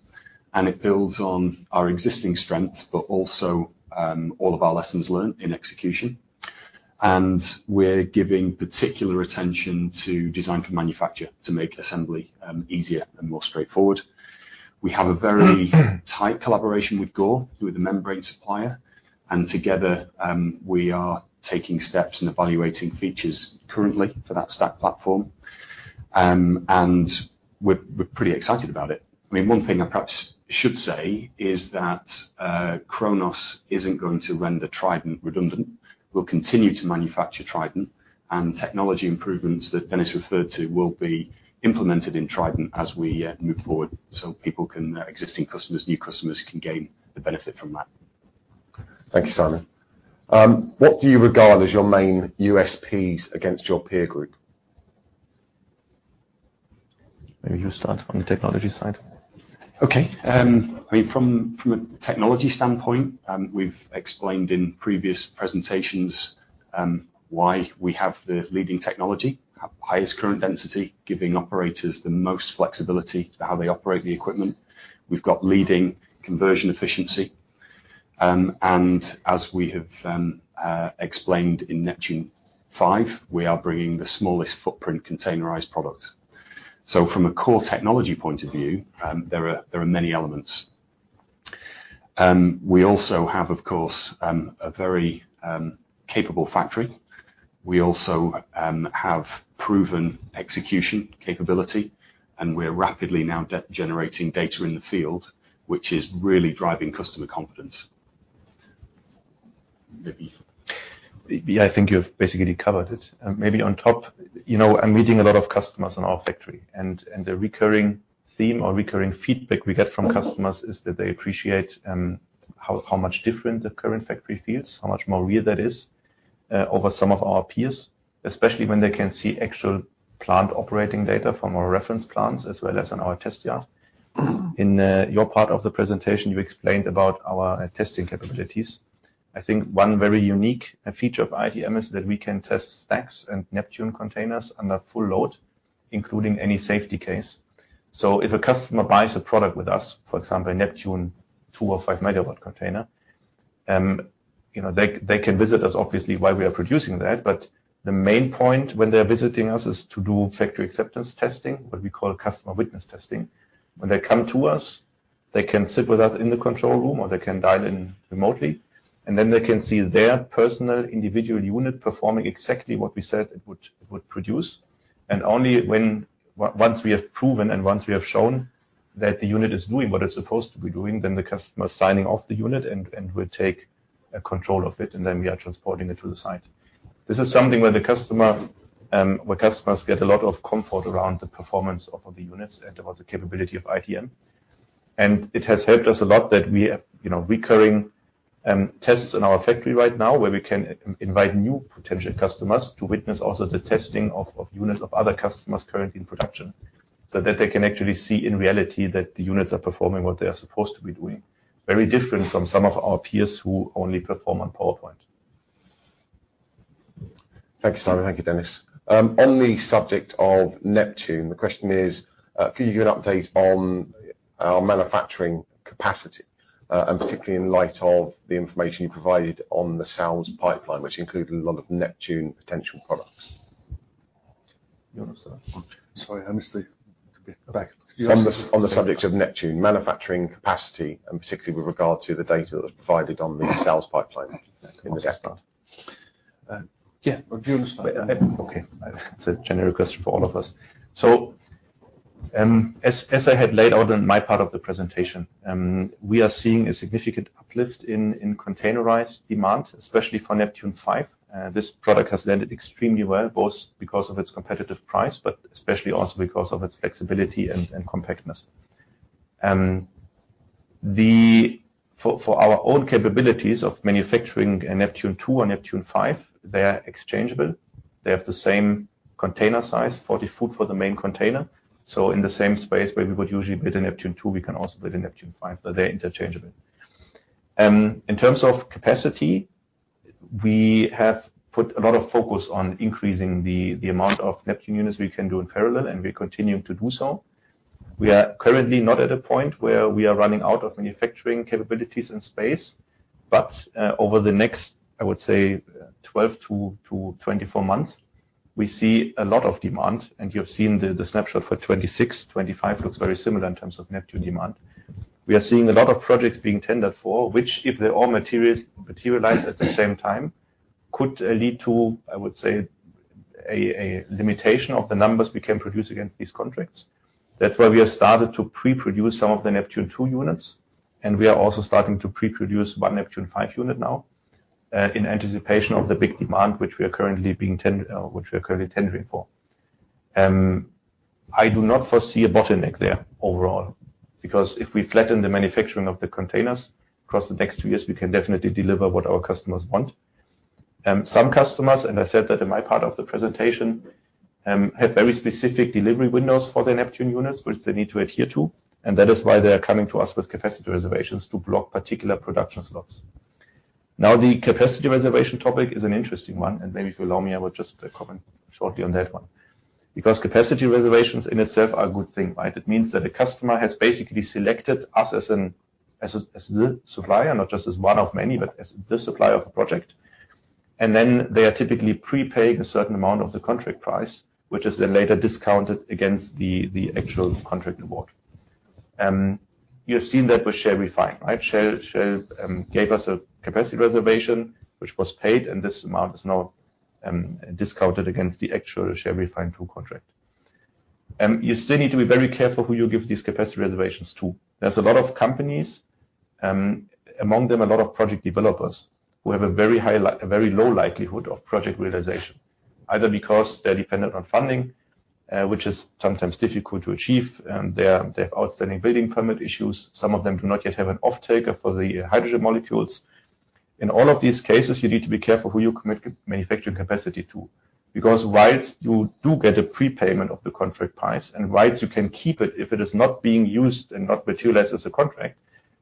S3: and it builds on our existing strengths, but also, all of our lessons learned in execution. And we're giving particular attention to design for manufacture to make assembly, easier and more straightforward. We have a very tight collaboration with Gore, who is a membrane supplier, and together, we are taking steps and evaluating features currently for that stack platform. And we're pretty excited about it. I mean, one thing I perhaps should say is that, CHRONOS isn't going to render TRIDENT redundant. We'll continue to manufacture TRIDENT, and technology improvements that Dennis referred to will be implemented in TRIDENT as we move forward so people can, existing customers, new customers, can gain the benefit from that.
S5: Thank you, Simon. What do you regard as your main USPs against your peer group?
S2: Maybe you start on the technology side.
S3: Okay, I mean, from a technology standpoint, we've explained in previous presentations why we have the leading technology. Highest current density, giving operators the most flexibility for how they operate the equipment. We've got leading conversion efficiency. And as we have explained in NEPTUNE V, we are bringing the smallest footprint containerized product. So from a core technology point of view, there are many elements. We also have, of course, a very capable factory. We also have proven execution capability, and we're rapidly now generating data in the field, which is really driving customer confidence.
S2: Maybe. Yeah, I think you've basically covered it. Maybe on top, you know, I'm meeting a lot of customers in our factory, and, and a recurring theme or recurring feedback we get from customers is that they appreciate how, how much different the current factory feels, how much more real that is over some of our peers, especially when they can see actual plant operating data from our reference plants as well as in our test yard. In your part of the presentation, you explained about our testing capabilities. I think one very unique feature of ITM is that we can test stacks and Neptune containers under full load, including any safety case. So if a customer buys a product with us, for example, a NEPTUNE ll or 5 megawatt container, you know, they, they can visit us, obviously, while we are producing that, but the main point when they're visiting us is to do factory acceptance testing, what we call customer witness testing. When they come to us, they can sit with us in the control room, or they can dial in remotely, and then they can see their personal individual unit performing exactly what we said it would, it would produce. And only once we have proven and once we have shown that the unit is doing what it's supposed to be doing, then the customer is signing off the unit, and will take control of it, and then we are transporting it to the site. This is something where the customer, where customers get a lot of comfort around the performance of, of the units and about the capability of ITM. And it has helped us a lot that we have, you know, recurring, tests in our factory right now, where we can invite new potential customers to witness also the testing of, of units of other customers currently in production. So that they can actually see in reality that the units are performing what they are supposed to be doing. Very different from some of our peers who only perform on PowerPoint.
S5: Thank you, Simon. Thank you, Dennis. On the subject of Neptune, the question is: Can you give an update on our manufacturing capacity, and particularly in light of the information you provided on the sales pipeline, which included a lot of Neptune potential products?
S2: Sorry, I missed the back.
S5: On the subject of Neptune manufacturing capacity, and particularly with regard to the data that was provided on the sales pipeline in the first part.
S2: Yeah, okay. It's a general question for all of us. So, as I had laid out in my part of the presentation, we are seeing a significant uplift in containerized demand, especially for NEPTUNE V. This product has landed extremely well, both because of its competitive price, but especially also because of its flexibility and compactness. For our own capabilities of manufacturing a NEPTUNE II and NEPTUNE V, they are exchangeable. They have the same container size, 40-foot for the main container. So in the same space where we would usually build a NEPTUNE II, we can also build a NEPTUNE V. So they're interchangeable. In terms of capacity, we have put a lot of focus on increasing the amount of NEPTUNE units we can do in parallel, and we continue to do so. We are currently not at a point where we are running out of manufacturing capabilities in space, but over the next, I would say, 12-24 months, we see a lot of demand, and you have seen the snapshot for 2026. 2025 looks very similar in terms of Neptune demand. We are seeing a lot of projects being tendered for which, if they all materialize at the same time, could lead to, I would say, a limitation of the numbers we can produce against these contracts. That's why we have started to pre-produce some of the Neptune 2 units, and we are also starting to pre-produce one NEPTUNE V unit now in anticipation of the big demand, which we are currently tendering for. I do not foresee a bottleneck there overall, because if we flatten the manufacturing of the containers across the next two years, we can definitely deliver what our customers want. Some customers, and I said that in my part of the presentation, have very specific delivery windows for their Neptune units, which they need to adhere to, and that is why they are coming to us with capacity reservations to block particular production slots. Now, the capacity reservation topic is an interesting one, and maybe if you allow me, I will just comment shortly on that one. Because capacity reservations in itself are a good thing, right? It means that a customer has basically selected us as the supplier, not just as one of many, but as the supplier of the project. They are typically pre-paying a certain amount of the contract price, which is then later discounted against the actual contract award. You have seen that with Shell REFHYNE, right? Shell gave us a capacity reservation, which was paid, and this amount is now discounted against the actual Shell REFHYNE II contract. You still need to be very careful who you give these capacity reservations to. There's a lot of companies, among them, a lot of project developers, who have a very low likelihood of project realization, either because they're dependent on funding, which is sometimes difficult to achieve, they have outstanding building permit issues. Some of them do not yet have an offtaker for the hydrogen molecules. In all of these cases, you need to be careful who you commit manufacturing capacity to, because while you do get a prepayment of the contract price, and while you can keep it if it is not being used and not materialized as a contract,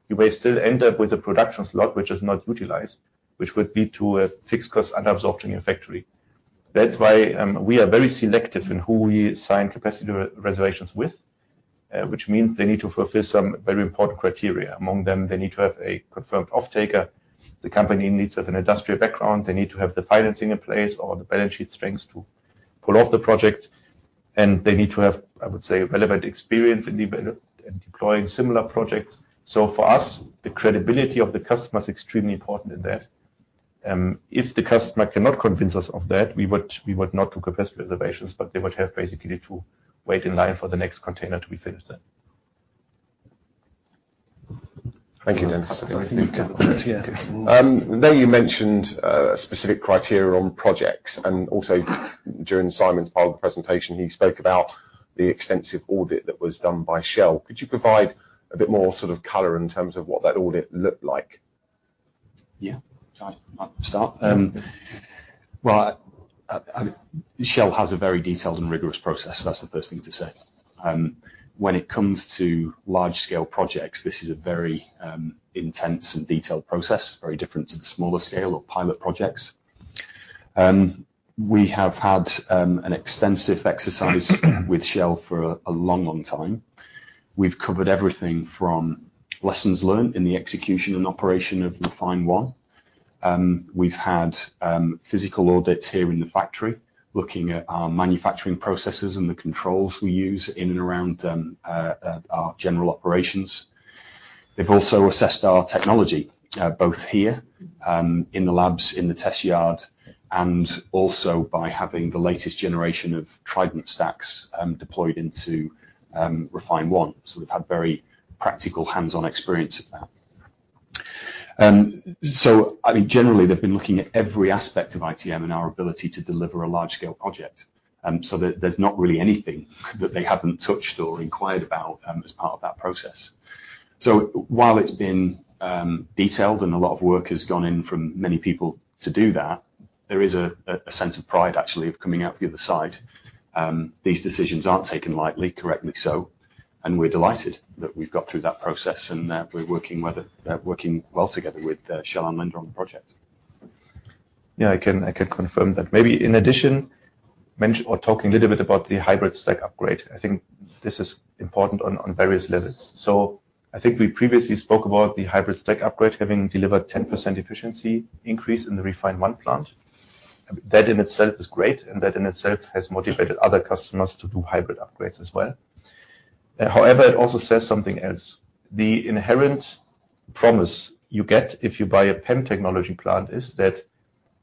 S2: you may still end up with a production slot which is not utilized, which would be to a fixed cost and absorbed in your factory. That's why we are very selective in who we sign capacity reservations with, which means they need to fulfill some very important criteria. Among them, they need to have a confirmed offtaker. The company needs to have an industrial background. They need to have the financing in place or the balance sheet strengths to pull off the project. And they need to have, I would say, relevant experience in deploying similar projects. So for us, the credibility of the customer is extremely important in that. If the customer cannot convince us of that, we would not do capacity reservations, but they would have basically to wait in line for the next container to be finished then.
S5: Thank you, Dennis. There you mentioned specific criteria on projects, and also during Simon's part of the presentation, he spoke about the extensive audit that was done by Shell. Could you provide a bit more sort of color in terms of what that audit looked like?
S3: Yeah. I'll start. Well, Shell has a very detailed and rigorous process. That's the first thing to say. When it comes to large scale projects, this is a very intense and detailed process, very different to the smaller scale or pilot projects. We have had an extensive exercise with Shell for a long, long time. We've covered everything from lessons learned in the execution and operation of REFHYNE. We've had physical audits here in the factory, looking at our manufacturing processes and the controls we use in and around our general operations. They've also assessed our technology, both here in the labs, in the test yard, and also by having the latest generation of TRIDENT stacks deployed into REFHYNE. So they've had very practical hands-on experience of that. I mean, generally, they've been looking at every aspect of ITM and our ability to deliver a large-scale project. So there, there's not really anything that they haven't touched or inquired about, as part of that process. So while it's been detailed and a lot of work has gone in from many people to do that, there is a sense of pride, actually, of coming out the other side. These decisions aren't taken lightly, correctly so, and we're delighted that we've got through that process and that we're working well together with Shell and Linde on the project.
S2: Yeah, I can, I can confirm that. Maybe in addition, mention or talk a little bit about the hybrid stack upgrade. I think this is important on, on various levels. So I think we previously spoke about the hybrid stack upgrade having delivered 10% efficiency increase in the REFHYNE plant. That in itself is great, and that in itself has motivated other customers to do hybrid upgrades as well. However, it also says something else. The inherent promise you get if you buy a PEM technology plant is that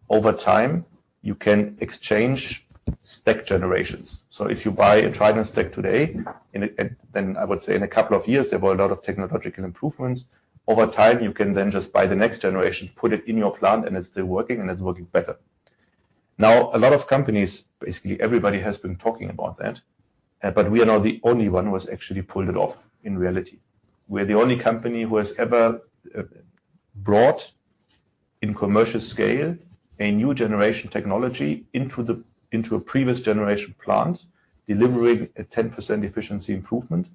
S2: over time, you can exchange stack generations. So if you buy a TRIDENT stack today, in a... Then I would say in a couple of years, there were a lot of technological improvements. Over time, you can then just buy the next generation, put it in your plant, and it's still working, and it's working better. Now, a lot of companies, basically everybody, has been talking about that, but we are now the only one who has actually pulled it off in reality. We're the only company who has ever brought in commercial scale a new generation technology into the into a previous generation plant, delivering a 10% efficiency improvement.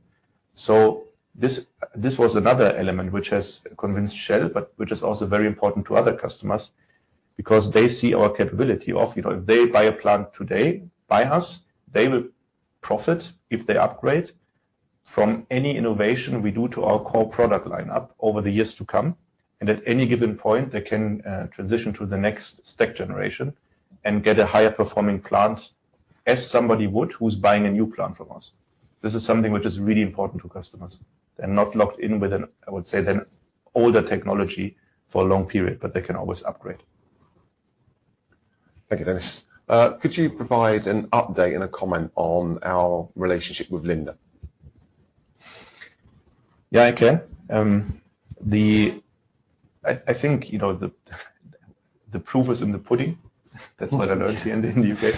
S2: So this, this was another element which has convinced Shell, but which is also very important to other customers, because they see our capability of, you know, if they buy a plant today, by us, they will profit if they upgrade from any innovation we do to our core product line up over the years to come, and at any given point, they can transition to the next stack generation and get a higher performing plant, as somebody would, who's buying a new plant from us. This is something which is really important to customers. They're not locked in with an, I would say, an older technology for a long period, but they can always upgrade.
S5: Thank you, Dennis. Could you provide an update and a comment on our relationship with Linde?
S2: Yeah, I can. I think, you know, the proof is in the pudding. That's what I learned here in the U.K.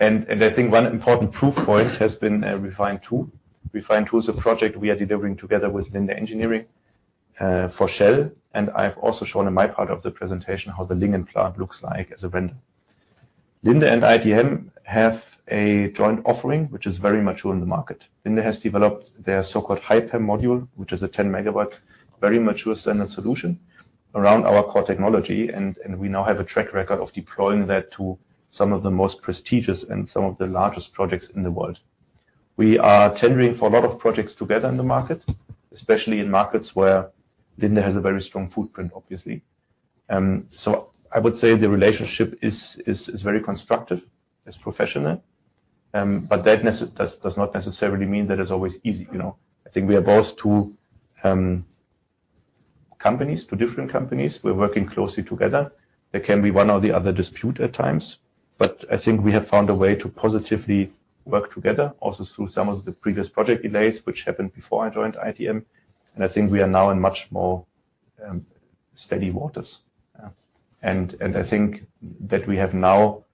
S2: I think one important proof point has been REFHYNE II. REFHYNE II is a project we are delivering together with Linde Engineering for Shell, and I've also shown in my part of the presentation how the Lingen plant looks like as a vendor. Linde and ITM have a joint offering, which is very mature in the market. Linde has developed their so-called HyPEM, which is a 10 MW, very mature standard solution around our core technology, and we now have a track record of deploying that to some of the most prestigious and some of the largest projects in the world. We are tendering for a lot of projects together in the market, especially in markets where Linde has a very strong footprint, obviously. So I would say the relationship is very constructive, it's professional, but that does not necessarily mean that it's always easy, you know? I think we are both two companies, two different companies. We're working closely together. There can be one or the other dispute at times, but I think we have found a way to positively work together, also through some of the previous project delays, which happened before I joined ITM. And I think we are now in much more steady waters. And I think that we have now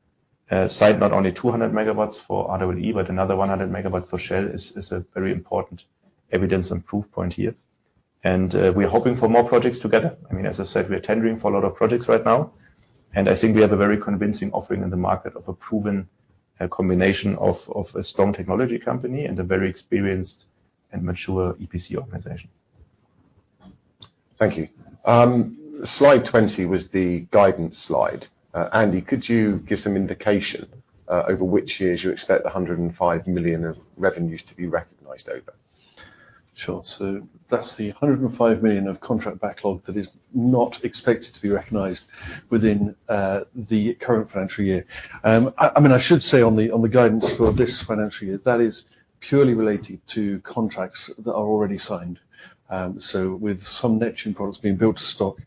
S2: signed not only 200 megawatts for RWE, but another 100 megawatt for Shell, is a very important evidence and proof point here. And, we're hoping for more projects together. I mean, as I said, we are tendering for a lot of projects right now, and I think we have a very convincing offering in the market of a proven, a combination of, of a strong technology company and a very experienced and mature EPC organization.
S5: Thank you. slide 20 was the guidance slide. Andy, could you give some indication over which years you expect the 105 million of revenues to be recognized over?
S4: Sure. So that's the 105 million of contract backlog that is not expected to be recognized within the current financial year. I mean, I should say on the guidance for this financial year, that is purely related to contracts that are already signed. So with some niche products being built to stock,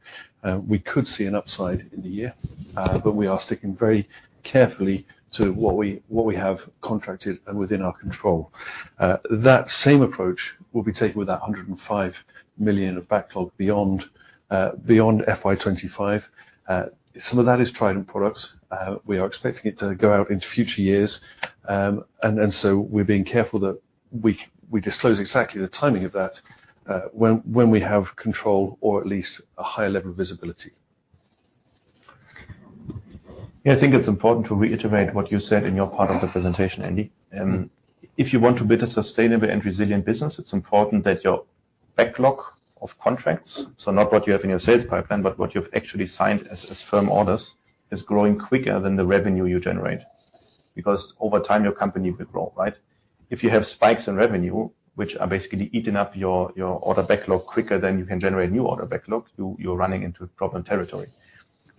S4: we could see an upside in the year, but we are sticking very carefully to what we have contracted and within our control. That same approach will be taken with that 105 million of backlog beyond FY 2025. Some of that is TRIDENT products. We are expecting it to go out into future years. And so we're being careful that we disclose exactly the timing of that, when we have control or at least a higher level of visibility.
S2: Yeah, I think it's important to reiterate what you said in your part of the presentation, Andy. If you want to build a sustainable and resilient business, it's important that your backlog of contracts, so not what you have in your sales pipeline, but what you've actually signed as firm orders, is growing quicker than the revenue you generate. Because over time, your company will grow, right? If you have spikes in revenue, which are basically eating up your order backlog quicker than you can generate new order backlog, you're running into problem territory.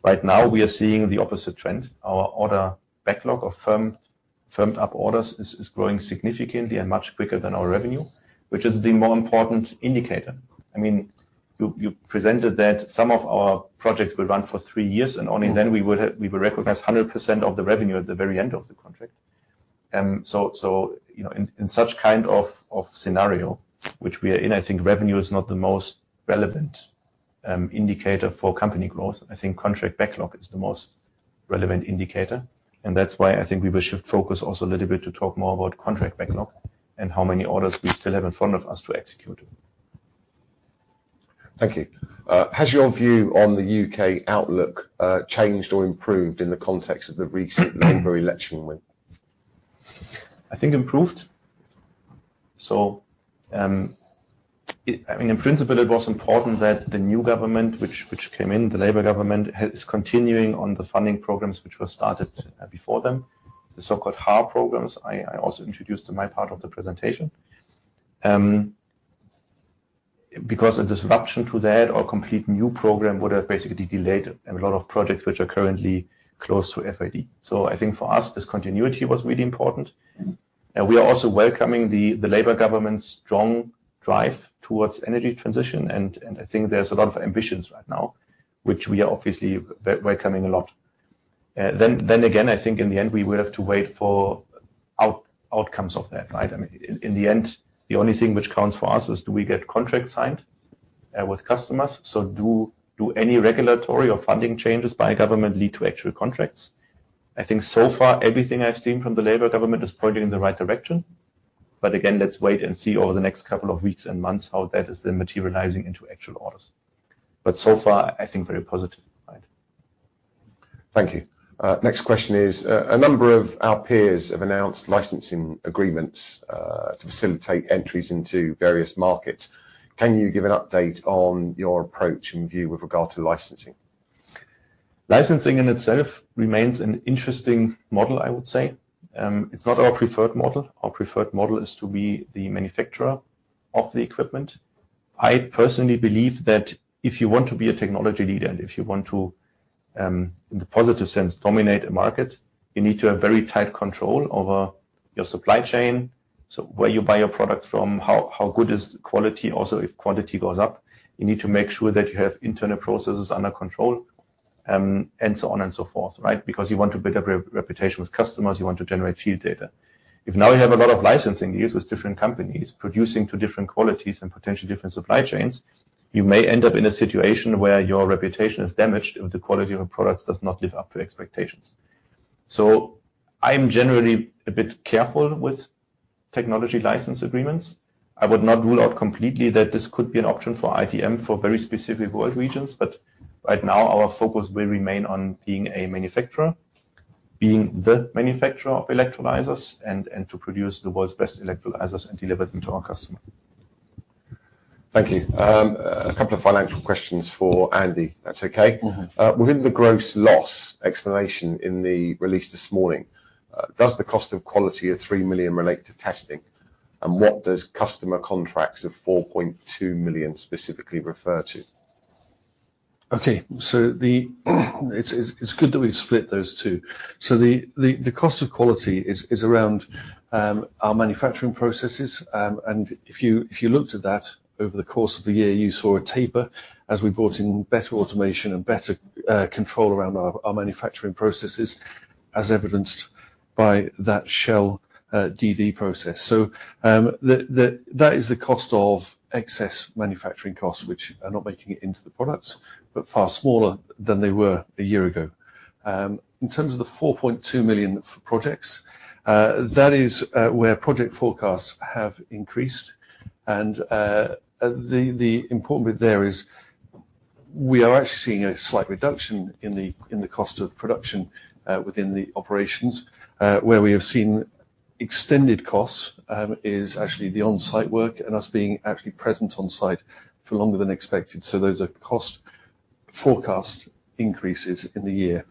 S2: Right now, we are seeing the opposite trend. Our order backlog of firmed up orders is growing significantly and much quicker than our revenue, which is the more important indicator. I mean, you presented that some of our projects will run for three years, and only then we would recognize 100% of the revenue at the very end of the contract. So, you know, in such kind of scenario which we are in, I think revenue is not the most relevant indicator for company growth. I think contract backlog is the most relevant indicator, and that's why I think we will shift focus also a little bit to talk more about contract backlog and how many orders we still have in front of us to execute.
S5: Thank you. Has your view on the UK outlook changed or improved in the context of the recent Labour election win?
S2: I think improved. So, I mean, in principle, it was important that the new government which came in, the Labour government, is continuing on the funding programs which were started before them, the so-called HAR programs. I also introduced in my part of the presentation. Because a disruption to that or complete new program would have basically delayed a lot of projects which are currently close to FID. So I think for us, this continuity was really important, and we are also welcoming the Labour government's strong drive towards energy transition, and I think there's a lot of ambitions right now, which we are obviously welcoming a lot. Then again, I think in the end, we will have to wait for outcomes of that, right? I mean, in the end, the only thing which counts for us is, do we get contracts signed? with customers. So do any regulatory or funding changes by government lead to actual contracts? I think so far, everything I've seen from the Labour government is pointing in the right direction. But again, let's wait and see over the next couple of weeks and months how that is then materializing into actual orders. But so far, I think very positive, right?
S5: Thank you. Next question is, a number of our peers have announced licensing agreements, to facilitate entries into various markets. Can you give an update on your approach and view with regard to licensing?
S2: Licensing in itself remains an interesting model, I would say. It's not our preferred model. Our preferred model is to be the manufacturer of the equipment. I personally believe that if you want to be a technology leader, and if you want to, in the positive sense, dominate a market, you need to have very tight control over your supply chain. So where you buy your product from, how good is quality? Also, if quality goes up, you need to make sure that you have internal processes under control, and so on and so forth, right? Because you want to build up a reputation with customers, you want to generate field data. If now you have a lot of licensing deals with different companies producing to different qualities and potentially different supply chains, you may end up in a situation where your reputation is damaged, if the quality of your products does not live up to expectations. So I'm generally a bit careful with technology license agreements. I would not rule out completely that this could be an option for ITM for very specific world regions, but right now our focus will remain on being a manufacturer, being the manufacturer of electrolyzers, and to produce the world's best electrolyzers and deliver them to our customers.
S5: Thank you. A couple of financial questions for Andy. That's okay?
S4: Mm-hmm.
S5: Within the gross loss explanation in the release this morning, does the cost of quality of 3 million relate to testing? And what does customer contracts of 4.2 million specifically refer to?
S4: Okay. So it's good that we split those two. So the cost of quality is around our manufacturing processes. And if you looked at that over the course of the year, you saw a taper as we brought in better automation and better control around our manufacturing processes, as evidenced by that Shell DD process. So that is the cost of excess manufacturing costs, which are not making it into the products, but far smaller than they were a year ago. In terms of the 4.2 million for projects, that is where project forecasts have increased. And the important bit there is we are actually seeing a slight reduction in the cost of production within the operations. Where we have seen extended costs is actually the on-site work and us being actually present on site for longer than expected. So those are cost forecast increases in the year.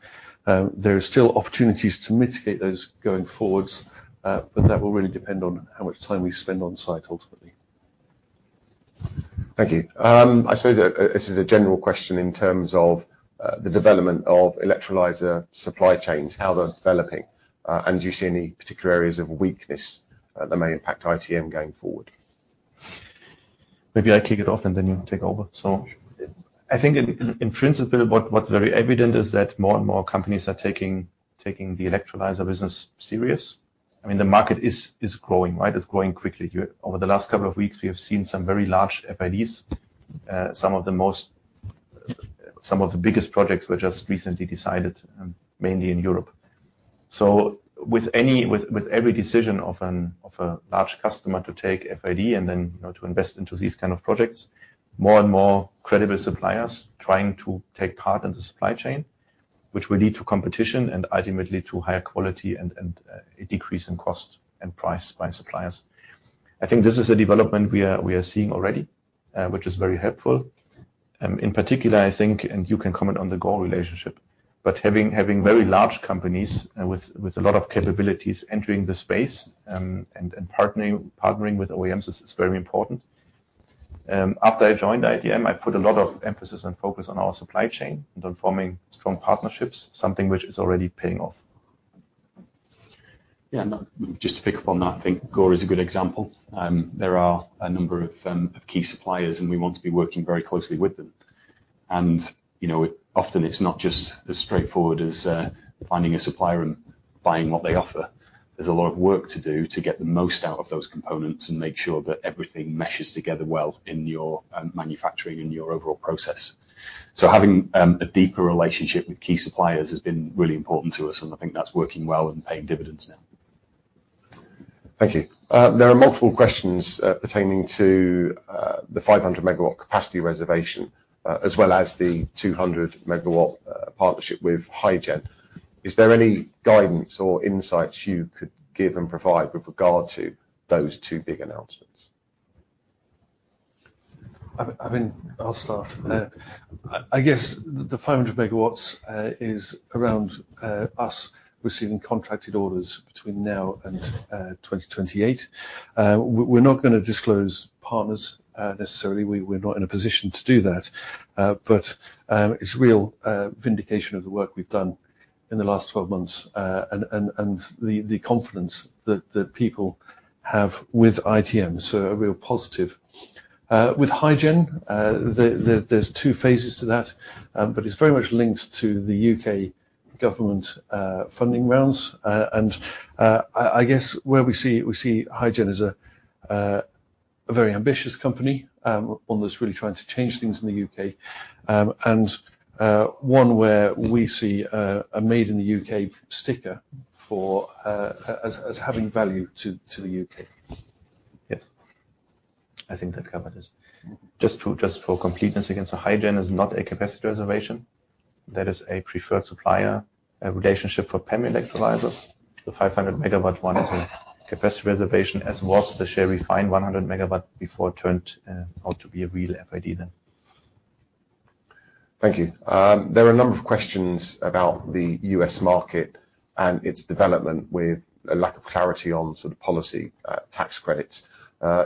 S4: There are still opportunities to mitigate those going forwards, but that will really depend on how much time we spend on site ultimately.
S5: Thank you. I suppose this is a general question in terms of the development of electrolyzer supply chains, how they're developing. Do you see any particular areas of weakness that may impact ITM going forward?
S2: Maybe I kick it off and then you take over. So I think in principle, what's very evident is that more and more companies are taking the electrolyzer business serious. I mean, the market is growing, right? It's growing quickly. Over the last couple of weeks, we have seen some very large FIDs. Some of the biggest projects were just recently decided, mainly in Europe. So with every decision of a large customer to take FID and then, you know, to invest into these kind of projects, more and more credible suppliers trying to take part in the supply chain, which will lead to competition and ultimately to higher quality and a decrease in cost and price by suppliers. I think this is a development we are seeing already, which is very helpful. In particular, I think, and you can comment on the Gore relationship, but having very large companies with a lot of capabilities entering the space, and partnering with OEMs is very important. After I joined ITM, I put a lot of emphasis and focus on our supply chain and on forming strong partnerships, something which is already paying off.
S3: Yeah. No, just to pick up on that, I think Gore is a good example. There are a number of key suppliers, and we want to be working very closely with them. And, you know, often it's not just as straightforward as finding a supplier and buying what they offer. There's a lot of work to do to get the most out of those components and make sure that everything meshes together well in your manufacturing and your overall process. So having a deeper relationship with key suppliers has been really important to us, and I think that's working well and paying dividends now.
S5: Thank you. There are multiple questions pertaining to the 500 megawatt capacity reservation as well as the 200 megawatt partnership with HyGen. Is there any guidance or insights you could give and provide with regard to those two big announcements?
S4: I mean, I'll start. I guess the 500 MW is around us receiving contracted orders between now and 2028. We're not gonna disclose partners necessarily. We're not in a position to do that. But it's real vindication of the work we've done in the last 12 months, and the confidence that the people have with ITM, so a real positive. With HyGen, there are 2 phases to that, but it's very much linked to the UK-...
S5: government funding rounds. And I guess where we see, we see HyGen as a very ambitious company, one that's really trying to change things in the U.K.. And one where we see a Made in the UK sticker as having value to the U.K..
S2: Yes. I think that covers it. Just for completeness, again, so HyGen is not a capacity reservation. That is a preferred supplier relationship for PEM electrolyzers. The 500 MW one is a capacity reservation, as was the Shell REFHYNE 100 MW before it turned out to be a real FID then.
S5: Thank you. There are a number of questions about the U.S. market and its development, with a lack of clarity on sort of policy, tax credits.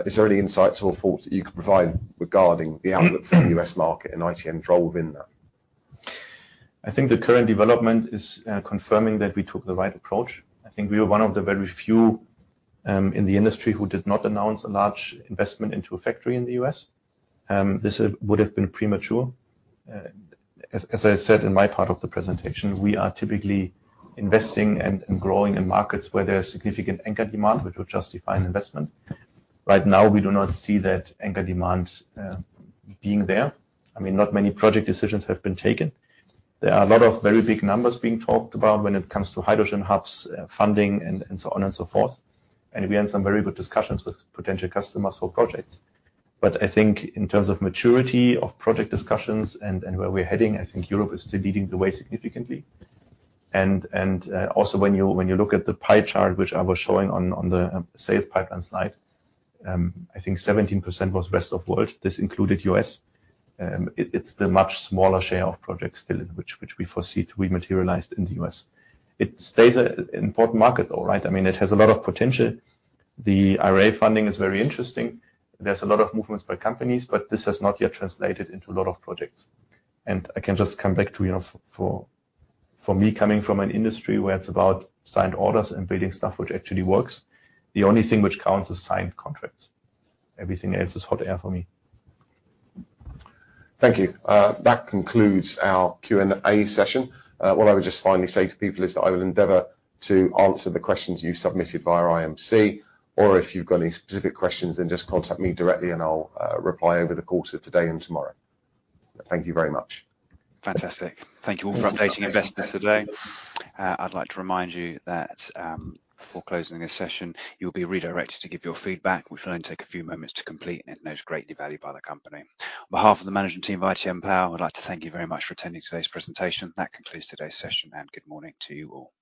S5: Is there any insights or thoughts that you could provide regarding the outlook for the U.S. market and ITM's role within that?
S2: I think the current development is confirming that we took the right approach. I think we were one of the very few in the industry who did not announce a large investment into a factory in the U.S. This would have been premature. As I said in my part of the presentation, we are typically investing and growing in markets where there is significant anchor demand, which would justify an investment. Right now, we do not see that anchor demand being there. I mean, not many project decisions have been taken. There are a lot of very big numbers being talked about when it comes to hydrogen hubs funding, and so on and so forth. And we had some very good discussions with potential customers for projects. But I think in terms of maturity of project discussions and also, when you look at the pie chart, which I was showing on the sales pipeline slide, I think 17% was rest of world. This included U.S. It's the much smaller share of projects still which we foresee to be materialized in the U.S. It stays a important market, though, right? I mean, it has a lot of potential. The IRA funding is very interesting. There's a lot of movements by companies, but this has not yet translated into a lot of projects. I can just come back to, you know, for me, coming from an industry where it's about signed orders and building stuff, which actually works, the only thing which counts is signed contracts. Everything else is hot air for me.
S5: Thank you. That concludes our Q&A session. What I would just finally say to people is that I will endeavor to answer the questions you submitted via IMC. Or if you've got any specific questions, then just contact me directly and I'll reply over the course of today and tomorrow. Thank you very much.
S1: Fantastic. Thank you all for updating investors today. I'd like to remind you that, before closing this session, you'll be redirected to give your feedback, which will only take a few moments to complete, and it's greatly valued by the company. On behalf of the management team of ITM Power, I'd like to thank you very much for attending today's presentation. That concludes today's session, and good morning to you all.